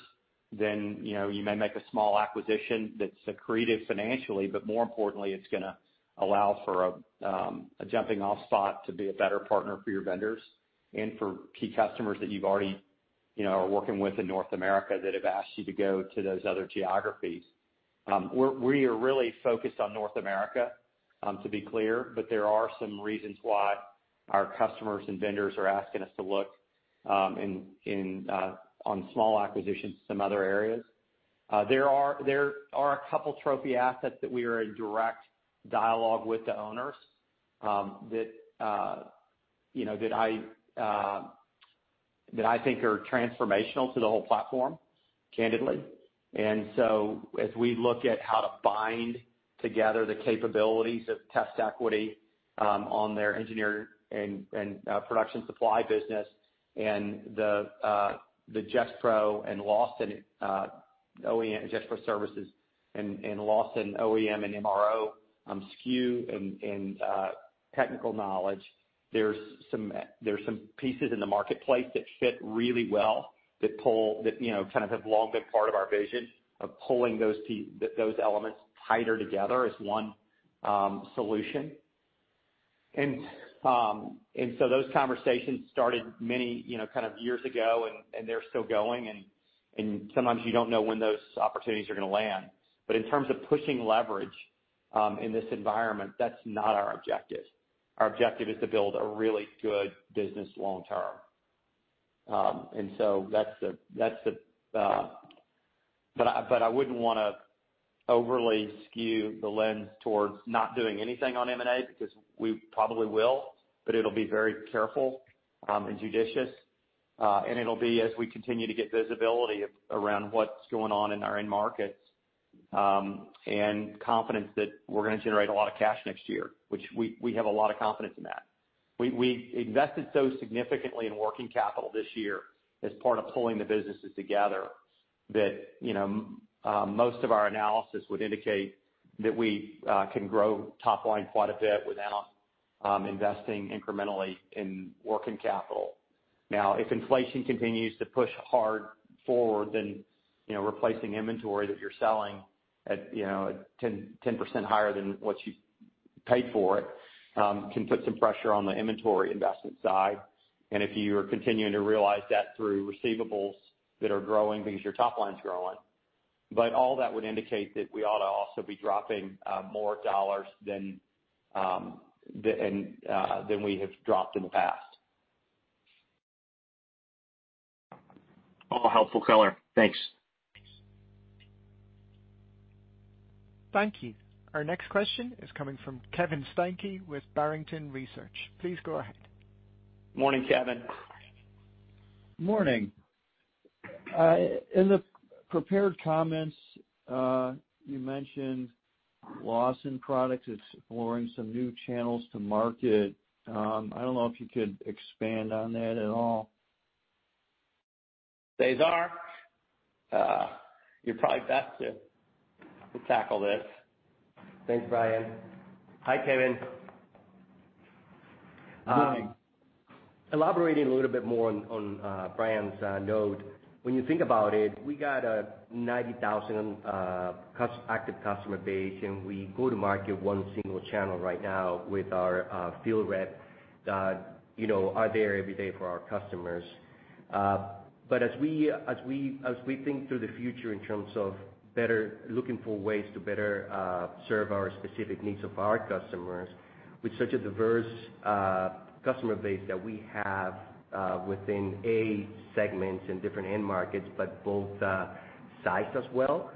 Speaker 3: then you know, you may make a small acquisition that's accretive financially, but more importantly it's gonna allow for a jumping-off spot to be a better partner for your vendors and for key customers that you've already, you know, are working with in North America that have asked you to go to those other geographies. We are really focused on North America, to be clear, but there are some reasons why our customers and vendors are asking us to look in on small acquisitions in some other areas. There are a couple trophy assets that we are in direct dialogue with the owners, that you know that I think are transformational to the whole platform, candidly. As we look at how to bind together the capabilities of TestEquity on their Engineering and Production Supply business and the Gexpro and Lawson OEM, Gexpro Services and Lawson OEM and MRO SKU and technical knowledge, there are some pieces in the marketplace that fit really well that pull. That kind of have long been part of our vision of pulling those elements tighter together as one solution. Those conversations started many kind of years ago and they're still going and sometimes you don't know when those opportunities are gonna land. In terms of pushing leverage in this environment, that's not our objective. Our objective is to build a really good business long term. That's the. I wouldn't wanna overly skew the lens towards not doing anything on M&A because we probably will, but it'll be very careful and judicious. It'll be as we continue to get visibility around what's going on in our end markets, and confidence that we're gonna generate a lot of cash next year, which we have a lot of confidence in that. We invested so significantly in working capital this year as part of pulling the businesses together that, you know, most of our analysis would indicate that we can grow top line quite a bit without investing incrementally in working capital. Now, if inflation continues to push hard forward, then, you know, replacing inventory that you're selling at, you know, at 10% higher than what you
Speaker 4: Paid for it can put some pressure on the inventory investment side. If you are continuing to realize that through receivables that are growing because your top line's growing. All that would indicate that we ought to also be dropping more dollars than we have dropped in the past.
Speaker 5: All helpful color. Thanks.
Speaker 1: Thank you. Our next question is coming from Kevin Steinke with Barrington Research. Please go ahead.
Speaker 4: Morning, Kevin.
Speaker 9: Morning. In the prepared comments, you mentioned Lawson Products is exploring some new channels to market. I don't know if you could expand on that at all.
Speaker 4: Cesar, you're probably best to tackle this.
Speaker 7: Thanks, Bryan. Hi, Kevin.
Speaker 9: Morning.
Speaker 7: Elaborating a little bit more on Bryan's note. When you think about it, we got a 90,000 active customer base, and we go to market one single channel right now with our field reps that, you know, are there every day for our customers. As we think through the future in terms of looking for ways to better serve our specific needs of our customers, with such a diverse customer base that we have within a segment and different end markets, but both size as well,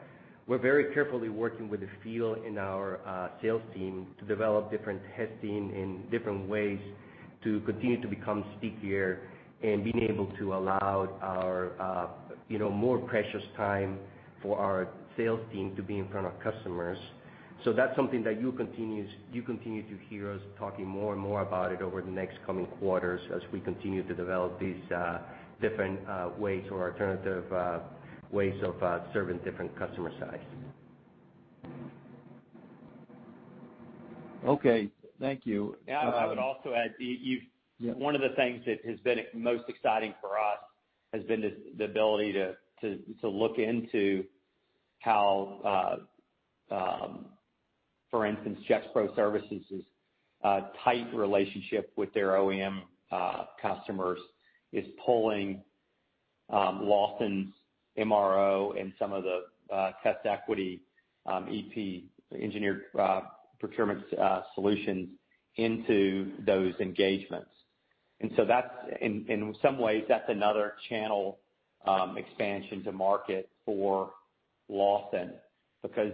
Speaker 7: we're very carefully working with the field and our sales team to develop different testing and different ways to continue to become stickier and being able to allow our, you know, more precious time for our sales team to be in front of customers. That's something that you continue to hear us talking more and more about it over the next coming quarters as we continue to develop these different ways or alternative ways of serving different customer size.
Speaker 9: Okay. Thank you,
Speaker 4: I would also add, you.
Speaker 9: Yeah.
Speaker 4: One of the things that has been most exciting for us has been the ability to look into how, for instance, Gexpro Services' tight relationship with their OEM customers is pulling Lawson's MRO and some of the TestEquity EPS engineering procurement solutions into those engagements. In some ways, that's another channel expansion to market for Lawson because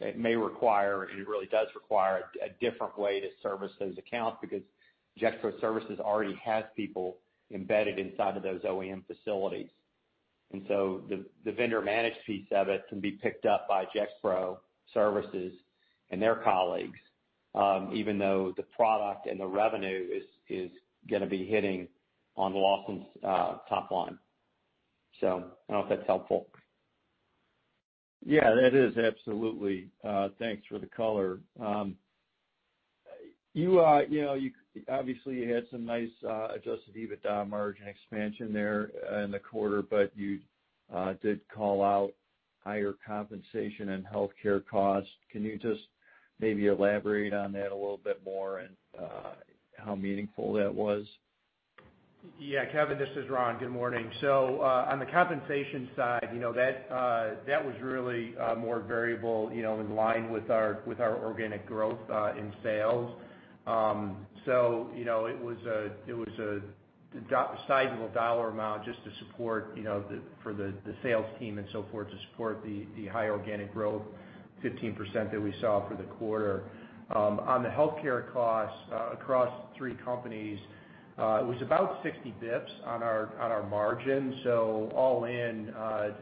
Speaker 4: it may require, and it really does require, a different way to service those accounts because Gexpro Services already has people embedded inside of those OEM facilities. The vendor managed piece of it can be picked up by Gexpro Services and their colleagues even though the product and the revenue is gonna be hitting on Lawson's top line. I don't know if that's helpful.
Speaker 9: Yeah, that is absolutely. Thanks for the color. You know, obviously, you had some nice adjusted EBITDA margin expansion there in the quarter, but you did call out higher compensation and healthcare costs. Can you just maybe elaborate on that a little bit more and how meaningful that was?
Speaker 4: Yeah, Kevin, this is Ron. Good morning. On the compensation side, you know, that was really more variable, you know, in line with our organic growth in sales. You know, it was a sizable dollar amount just to support the sales team and so forth, to support the high organic growth, 15% that we saw for the quarter. On the healthcare costs across three companies, it was about 60 basis points on our margin. All in,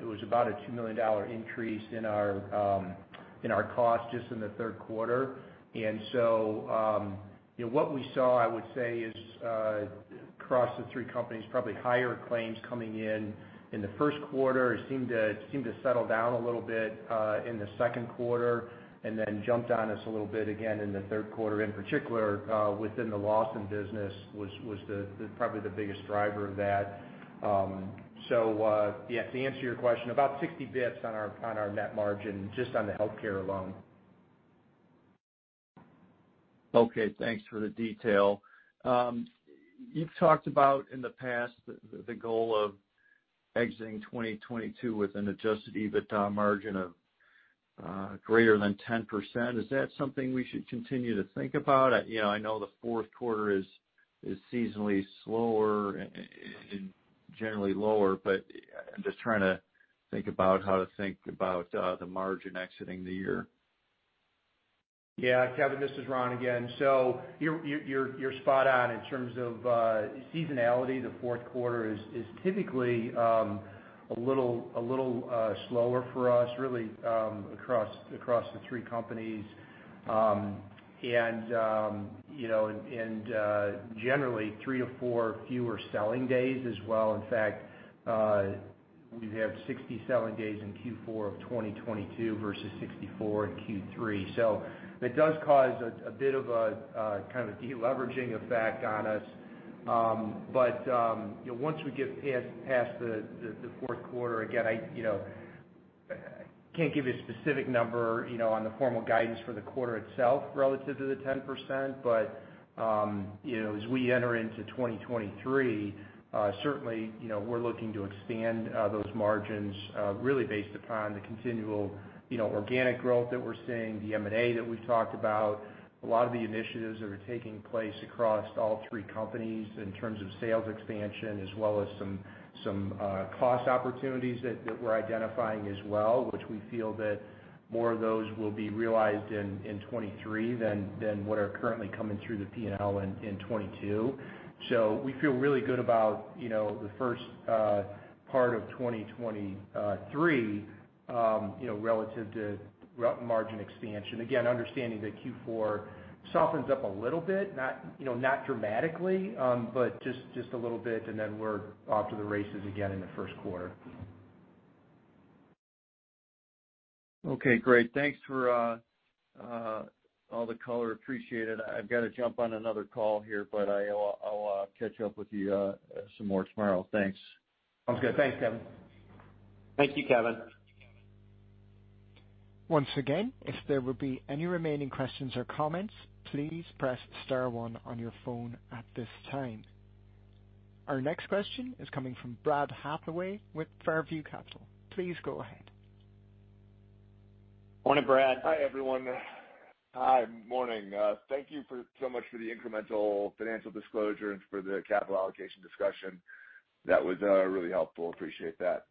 Speaker 4: it was about a $2 million increase in our costs just in the third quarter. You know, what we saw, I would say, is across the three companies, probably higher claims coming in in the first quarter. It seemed to settle down a little bit in the second quarter, and then jumped on us a little bit again in the third quarter, in particular within the Lawson business was the biggest driver of that. Yeah, to answer your question, about 60 basis points on our net margin, just on the healthcare alone.
Speaker 9: Okay. Thanks for the detail. You've talked about in the past the goal of exiting 2022 with an adjusted EBITDA margin of greater than 10%. Is that something we should continue to think about? You know, I know the fourth quarter is seasonally slower and generally lower, but I'm just trying to think about how to think about the margin exiting the year.
Speaker 4: Yeah. Kevin, this is Ron again. You're spot on in terms of seasonality. The fourth quarter is typically a little slower for us, really, across the three companies. You know, generally 3-4 fewer selling days as well. In fact, we have 60 selling days in Q4 of 2022 versus 64 in Q3. It does cause a bit of a kind of a deleveraging effect on us. You know, once we get past the fourth quarter, again, you know.
Speaker 3: I can't give you a specific number, you know, on the formal guidance for the quarter itself relative to the 10%. You know, as we enter into 2023, certainly, you know, we're looking to expand those margins really based upon the continual, you know, organic growth that we're seeing, the M&A that we've talked about. A lot of the initiatives that are taking place across all three companies in terms of sales expansion as well as some cost opportunities that we're identifying as well, which we feel that more of those will be realized in 2023 than what are currently coming through the P&L in 2022. We feel really good about, you know, the first part of 2023, you know, relative to margin expansion. Again, understanding that Q4 softens up a little bit, not, you know, not dramatically, but just a little bit, and then we're off to the races again in the first quarter.
Speaker 9: Okay, great. Thanks for all the color. Appreciate it. I've gotta jump on another call here, but I'll catch up with you some more tomorrow. Thanks.
Speaker 3: Sounds good. Thanks, Kevin.
Speaker 1: Thank you, Kevin. Once again, if there would be any remaining questions or comments, please press Star one on your phone at this time. Our next question is coming from Brad Hathaway with Fairview Capital. Please go ahead.
Speaker 3: Morning, Brad.
Speaker 10: Hi, everyone. Hi. Morning. Thank you so much for the incremental financial disclosure and for the capital allocation discussion. That was really helpful. Appreciate that.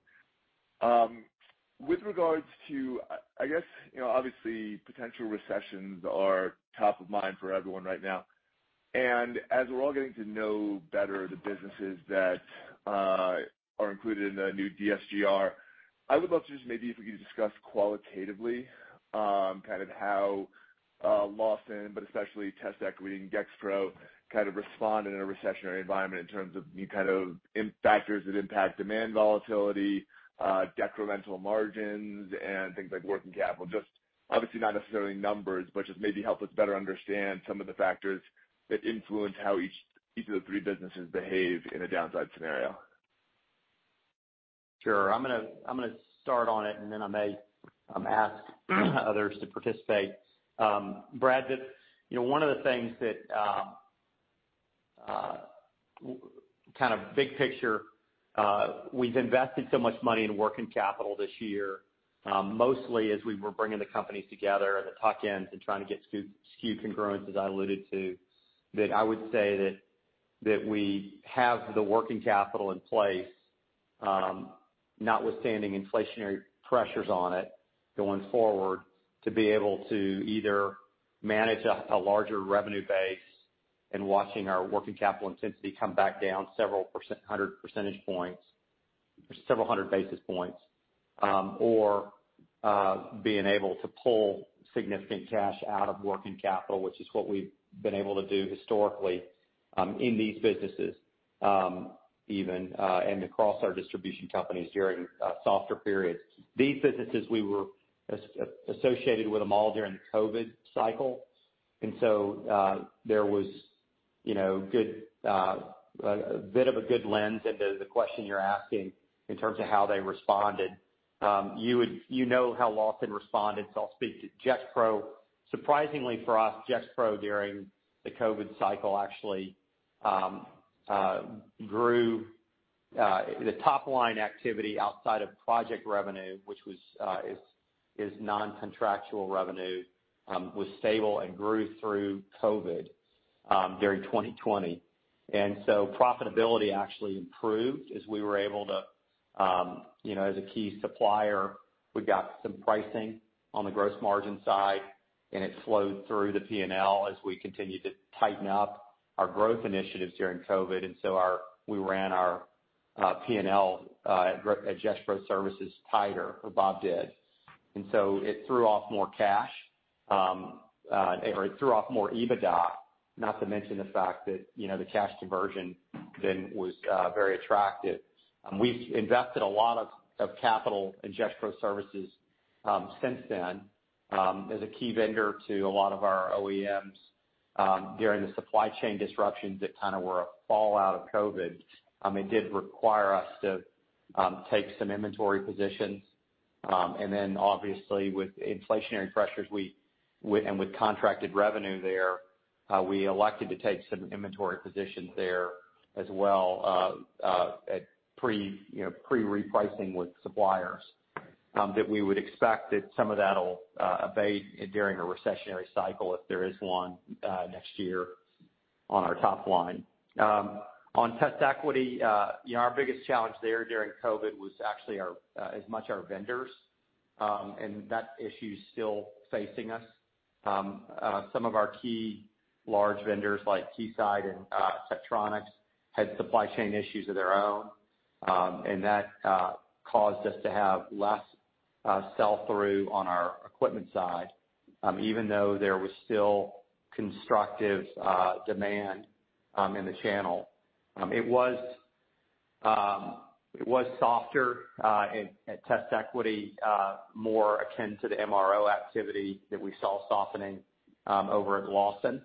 Speaker 10: With regards to, I guess, you know, obviously potential recessions are top of mind for everyone right now. As we're all getting to know better the businesses that are included in the new DSGR, I would love to just maybe if we could discuss qualitatively, kind of how Lawson but especially TestEquity and Gexpro kind of respond in a recessionary environment in terms of new kind of in factors that impact demand volatility, decremental margins and things like working capital. Just obviously not necessarily numbers, but just maybe help us better understand some of the factors that influence how each of the three businesses behave in a downside scenario.
Speaker 3: Sure. I'm gonna start on it, and then I may ask others to participate. Brad, the You know, one of the things that, kind of big picture, we've invested so much money in working capital this year, mostly as we were bringing the companies together at the tuck-ins and trying to get SKU congruence, as I alluded to, that I would say that we have the working capital in place, notwithstanding inflationary pressures on it going forward, to be able to either manage a larger revenue base and watching our working capital intensity come back down several percent, hundred percentage points, several hundred basis points, or being able to pull significant cash out of working capital, which is what we've been able to do historically, in these businesses, even and across our distribution companies during softer periods. These businesses, we were associated with them all during the COVID cycle, and so, there was, you know, a bit of a good lens into the question you're asking in terms of how they responded. You know how Lawson responded, so I'll speak to Gexpro. Surprisingly for us, Gexpro, during the COVID cycle, actually, grew the top line activity outside of project revenue, which is non-contractual revenue, was stable and grew through COVID, during 2020. Profitability actually improved as we were able to, you know, as a key supplier, we got some pricing on the gross margin side, and it flowed through the P&L as we continued to tighten up our growth initiatives during COVID. We ran our P&L at Gexpro Services tighter, or Bob did. It threw off more cash, or it threw off more EBITDA. Not to mention the fact that, you know, the cash conversion then was very attractive. We've invested a lot of capital in Gexpro Services since then as a key vendor to a lot of our OEMs during the supply chain disruptions that kind of were a fallout of COVID. It did require us to take some inventory positions. Obviously with inflationary pressures and with contracted revenue there, we elected to take some inventory positions there as well at pre-repricing with suppliers, you know, that we would expect that some of that'll abate during a recessionary cycle if there is one next year on our top line. On TestEquity, you know, our biggest challenge there during COVID was actually as much our vendors, and that issue's still facing us. Some of our key large vendors like Keysight and Tektronix had supply chain issues of their own, and that caused us to have less sell through on our equipment side, even though there was still constructive demand in the channel. It was softer at TestEquity, more akin to the MRO activity that we saw softening over at Lawson.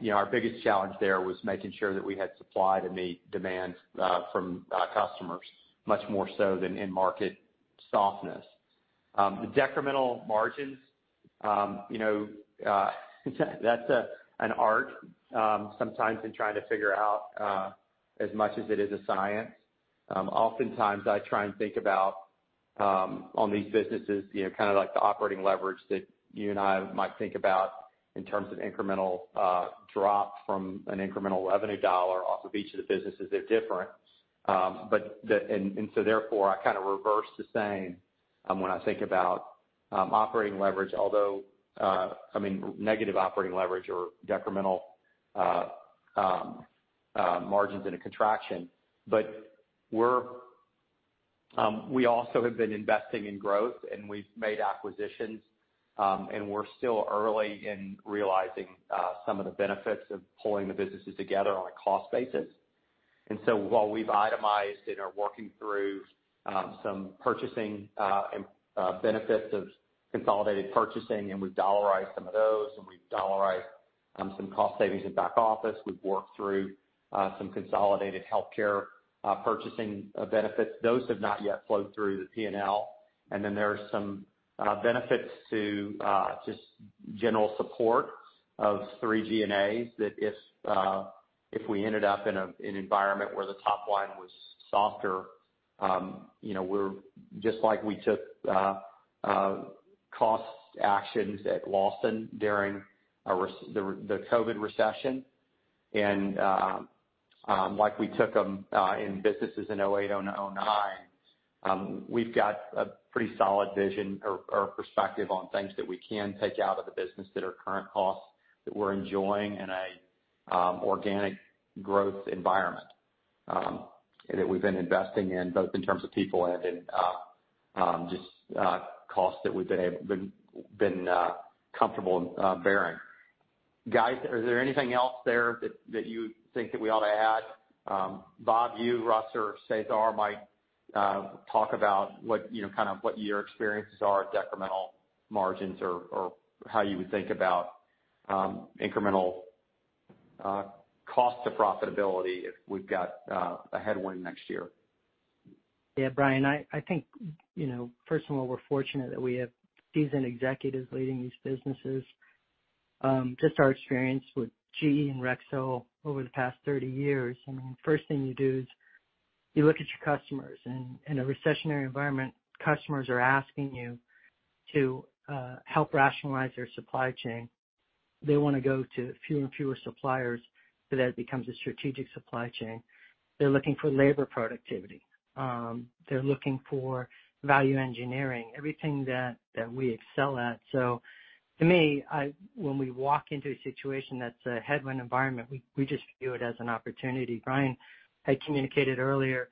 Speaker 3: You know, our biggest challenge there was making sure that we had supply to meet demand from customers much more so than in-market softness. The decremental margins, you know, that's an art, sometimes in trying to figure out, as much as it is a science. Oftentimes I try and think about, on these businesses, you know, kind of like the operating leverage that you and I might think about in terms of incremental drop from an incremental revenue dollar off of each of the businesses, they're different. So therefore, I kind of reverse the same, when I think about, operating leverage, although, I mean negative operating leverage or decremental margins in a contraction. We also have been investing in growth and we've made acquisitions, and we're still early in realizing, some of the benefits of pulling the businesses together on a cost basis. While we've itemized and are working through some purchasing and benefits of consolidated purchasing, and we've dollarized some of those, and we've dollarized some cost savings in back office, we've worked through some consolidated healthcare purchasing benefits. Those have not yet flowed through the P&L. Then there are some benefits to just general support of three G&As that if we ended up in an environment where the top line was softer, you know, we're just like we took cost actions at Lawson during the COVID recession and like we took them in businesses in 2008 and 2009. We've got a pretty solid vision or perspective on things that we can take out of the business that are current costs that we're enjoying in a organic growth environment that we've been investing in, both in terms of people and in just costs that we've been comfortable bearing. Guys, is there anything else there that you think that we ought to add? Bob, you, Russ or Cesar might talk about what, you know, kind of what your experiences are, decremental margins or how you would think about incremental cost to profitability if we've got a headwind next year.
Speaker 6: Yeah, Bryan, I think, you know, first of all, we're fortunate that we have decent executives leading these businesses. Just our experience with GE and Rexel over the past 30 years, I mean, first thing you do is you look at your customers. In a recessionary environment, customers are asking you to help rationalize their supply chain. They wanna go to fewer and fewer suppliers, so that it becomes a strategic supply chain. They're looking for labor productivity. They're looking for value engineering, everything that we excel at. So to me, when we walk into a situation that's a headwind environment, we just view it as an opportunity. Bryan, I communicated earlier,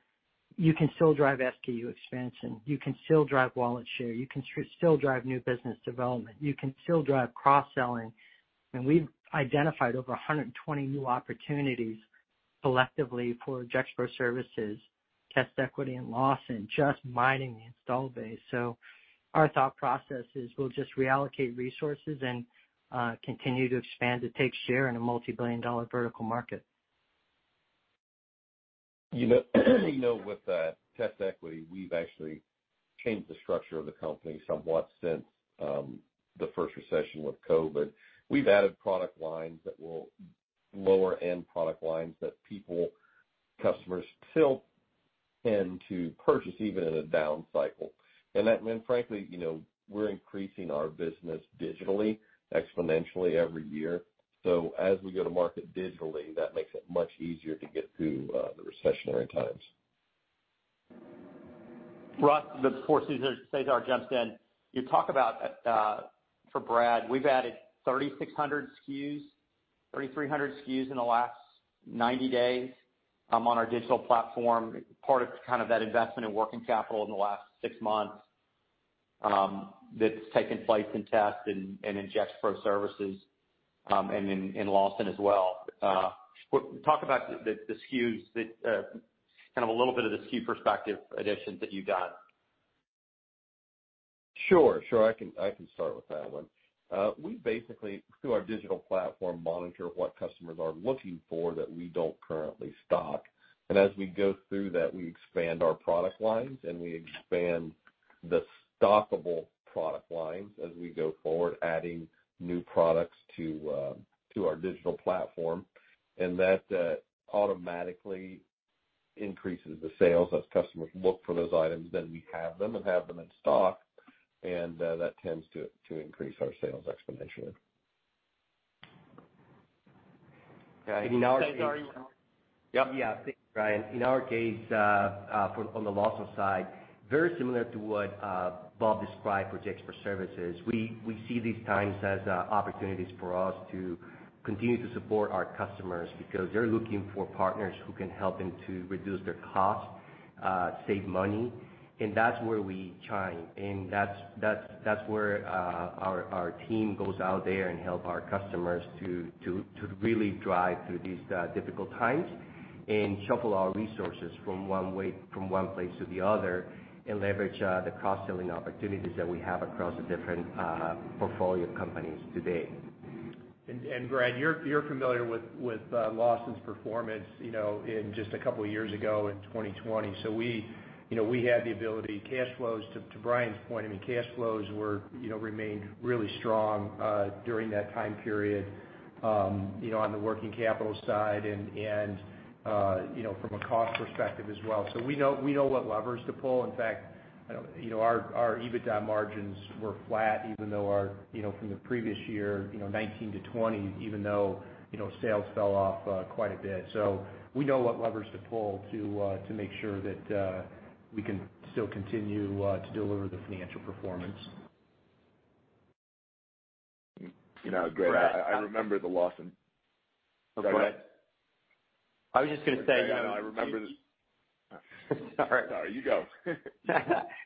Speaker 6: you can still drive SKU expansion. You can still drive wallet share. You can still drive new business development. You can still drive cross-selling. We've id entified over 120 new opportunities collectively for Gexpro Services, TestEquity, and Lawson Products, just mining the installed base. Our thought process is we'll just reallocate resources and continue to expand to take share in a multi-billion-dollar vertical market.
Speaker 8: You know, with TestEquity, we've actually changed the structure of the company somewhat since the first recession with COVID. We've added lower end product lines that people, customers still tend to purchase even in a down cycle. Frankly, you know, we're increasing our business digitally, exponentially every year. As we go to market digitally, that makes it much easier to get through the recessionary times.
Speaker 3: Russ, before Cesar jumps in, you talk about, for Brad, we've added 3,600 SKUs, 3,300 SKUs in the last 90 days, on our digital platform, part of kind of that investment in working capital in the last 6 months, that's taken place in Test and in Gexpro Services, and in Lawson as well. Talk about the SKUs, kind of a little bit of the SKU perspective additions that you've done.
Speaker 8: Sure. I can start with that one. We basically, through our digital platform, monitor what customers are looking for that we don't currently stock. As we go through that, we expand our product lines, and we expand the stockable product lines as we go forward, adding new products to our digital platform. That automatically increases the sales as customers look for those items, then we have them in stock, and that tends to increase our sales exponentially.
Speaker 3: Okay.
Speaker 7: In our case.
Speaker 3: Cesar, you. Yep.
Speaker 7: Yeah. Thanks, Bryan. In our case, on the Lawson side, very similar to what Bob described for Gexpro Services. We see these times as opportunities for us to continue to support our customers because they're looking for partners who can help them to reduce their costs, save money, and that's where we chime. That's where our team goes out there and help our customers to really drive through these difficult times. Shuffle our resources from one place to the other and leverage the cross-selling opportunities that we have across the different portfolio companies today.
Speaker 4: Brad, you're familiar with Lawson's performance, you know, in just a couple years ago in 2020. We, you know, we had the ability, cash flows to Bryan's point, I mean, cash flows remained really strong during that time period, you know, on the working capital side and, you know, from a cost perspective as well. We know what levers to pull. In fact, you know, our EBITDA margins were flat even though our, you know, from the previous year, you know, 2019-2020, even though, you know, sales fell off quite a bit. We know what levers to pull to make sure that we can still continue to deliver the financial performance.
Speaker 10: You know, Ron Knutson, I remember the Lawson.
Speaker 4: Go ahead.
Speaker 3: I was just gonna say.
Speaker 10: I remember the.
Speaker 3: Sorry.
Speaker 10: No, you go.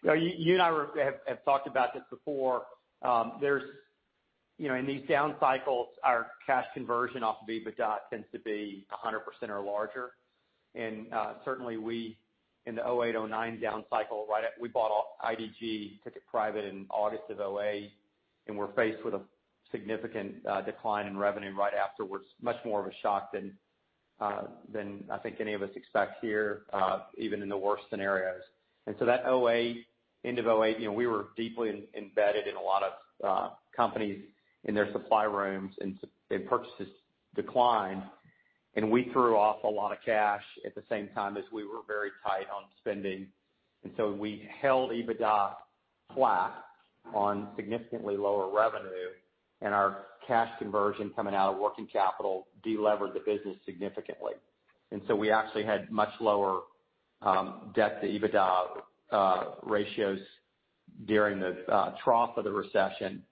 Speaker 3: No, you and I have talked about this before. You know, in these down cycles, our cash conversion off of EBITDA tends to be 100% or larger. Certainly, we in the 2008-2009 down cycle, we bought IDG, took it private in August of 2008, and were faced with a significant decline in revenue right afterwards. Much more of a shock than I think any of us expect here, even in the worst scenarios. That 2008, end of 2008, you know, we were deeply embedded in a lot of companies in their supply rooms, and purchases declined. We threw off a lot of cash at the same time as we were very tight on spending. We held EBITDA flat on significantly lower revenue, and our cash conversion coming out of working capital de-levered the business significantly. We actually had much lower debt to EBITDA ratios during the trough of the recession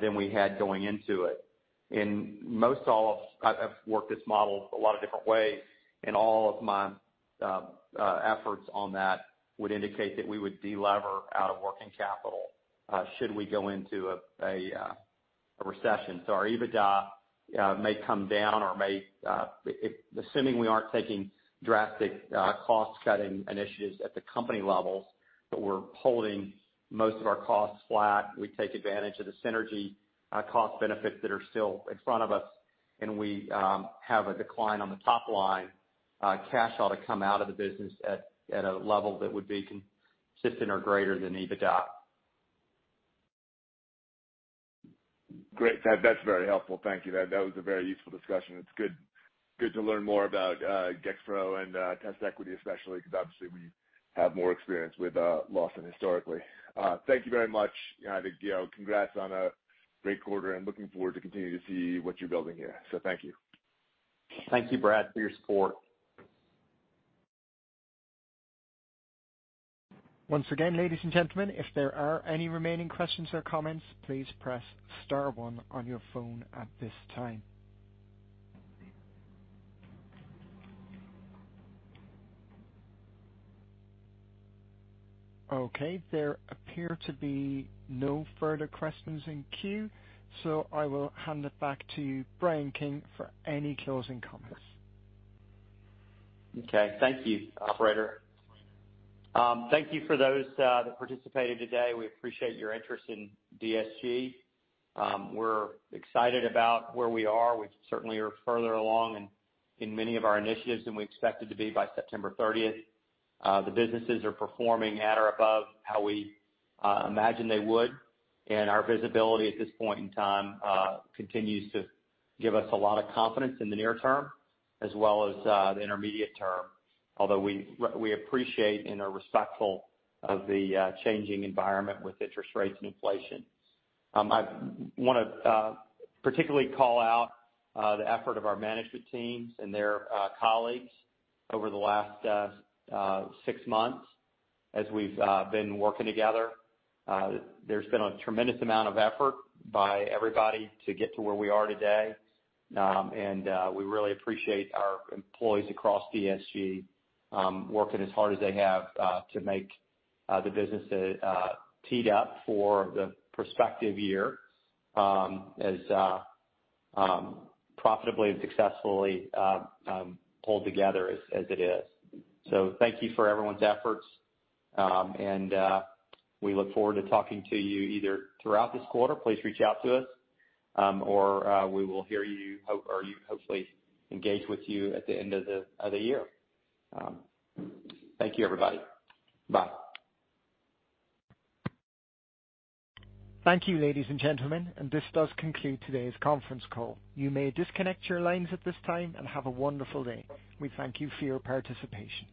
Speaker 3: than we had going into it. I've worked this model a lot of different ways, and all of my efforts on that would indicate that we would de-lever out of working capital should we go into a recession. Our EBITDA may come down or may assuming we aren't taking drastic cost-cutting initiatives at the company levels, but we're holding most of our costs flat. We take advantage of the synergy, cost benefits that are still in front of us, and we have a decline on the top line, cash ought to come out of the business at a level that would be consistent or greater than EBITDA.
Speaker 10: Great. That's very helpful. Thank you. That was a very useful discussion. It's good to learn more about Gexpro and TestEquity especially, because obviously we have more experience with Lawson historically. Thank you very much. You know, congrats on a great quarter, and looking forward to continue to see what you're building here. Thank you.
Speaker 3: Thank you, Brad, for your support.
Speaker 1: Once again, ladies and gentlemen, if there are any remaining questions or comments, please press Star one on your phone at this time. Okay, there appear to be no further questions in queue, so I will hand it back to Bryan King for any closing comments.
Speaker 3: Okay. Thank you, operator. Thank you for those that participated today. We appreciate your interest in DSG. We're excited about where we are. We certainly are further along in many of our initiatives than we expected to be by September 30th. The businesses are performing at or above how we imagined they would, and our visibility at this point in time continues to give us a lot of confidence in the near term as well as the intermediate term. Although we appreciate and are respectful of the changing environment with interest rates and inflation. I wanna particularly call out the effort of our management teams and their colleagues over the last six months as we've been working together. There's been a tremendous amount of effort by everybody to get to where we are today. We really appreciate our employees across DSG working as hard as they have to make the business teed up for the prospective year as profitably and successfully pulled together as it is. Thank you for everyone's efforts, and we look forward to talking to you either throughout this quarter. Please reach out to us, or we will hear you or hopefully engage with you at the end of the year. Thank you, everybody. Bye.
Speaker 1: Thank you, ladies and gentlemen, and this does conclude today's conference call. You may disconnect your lines at this time, and have a wonderful day. We thank you for your participation.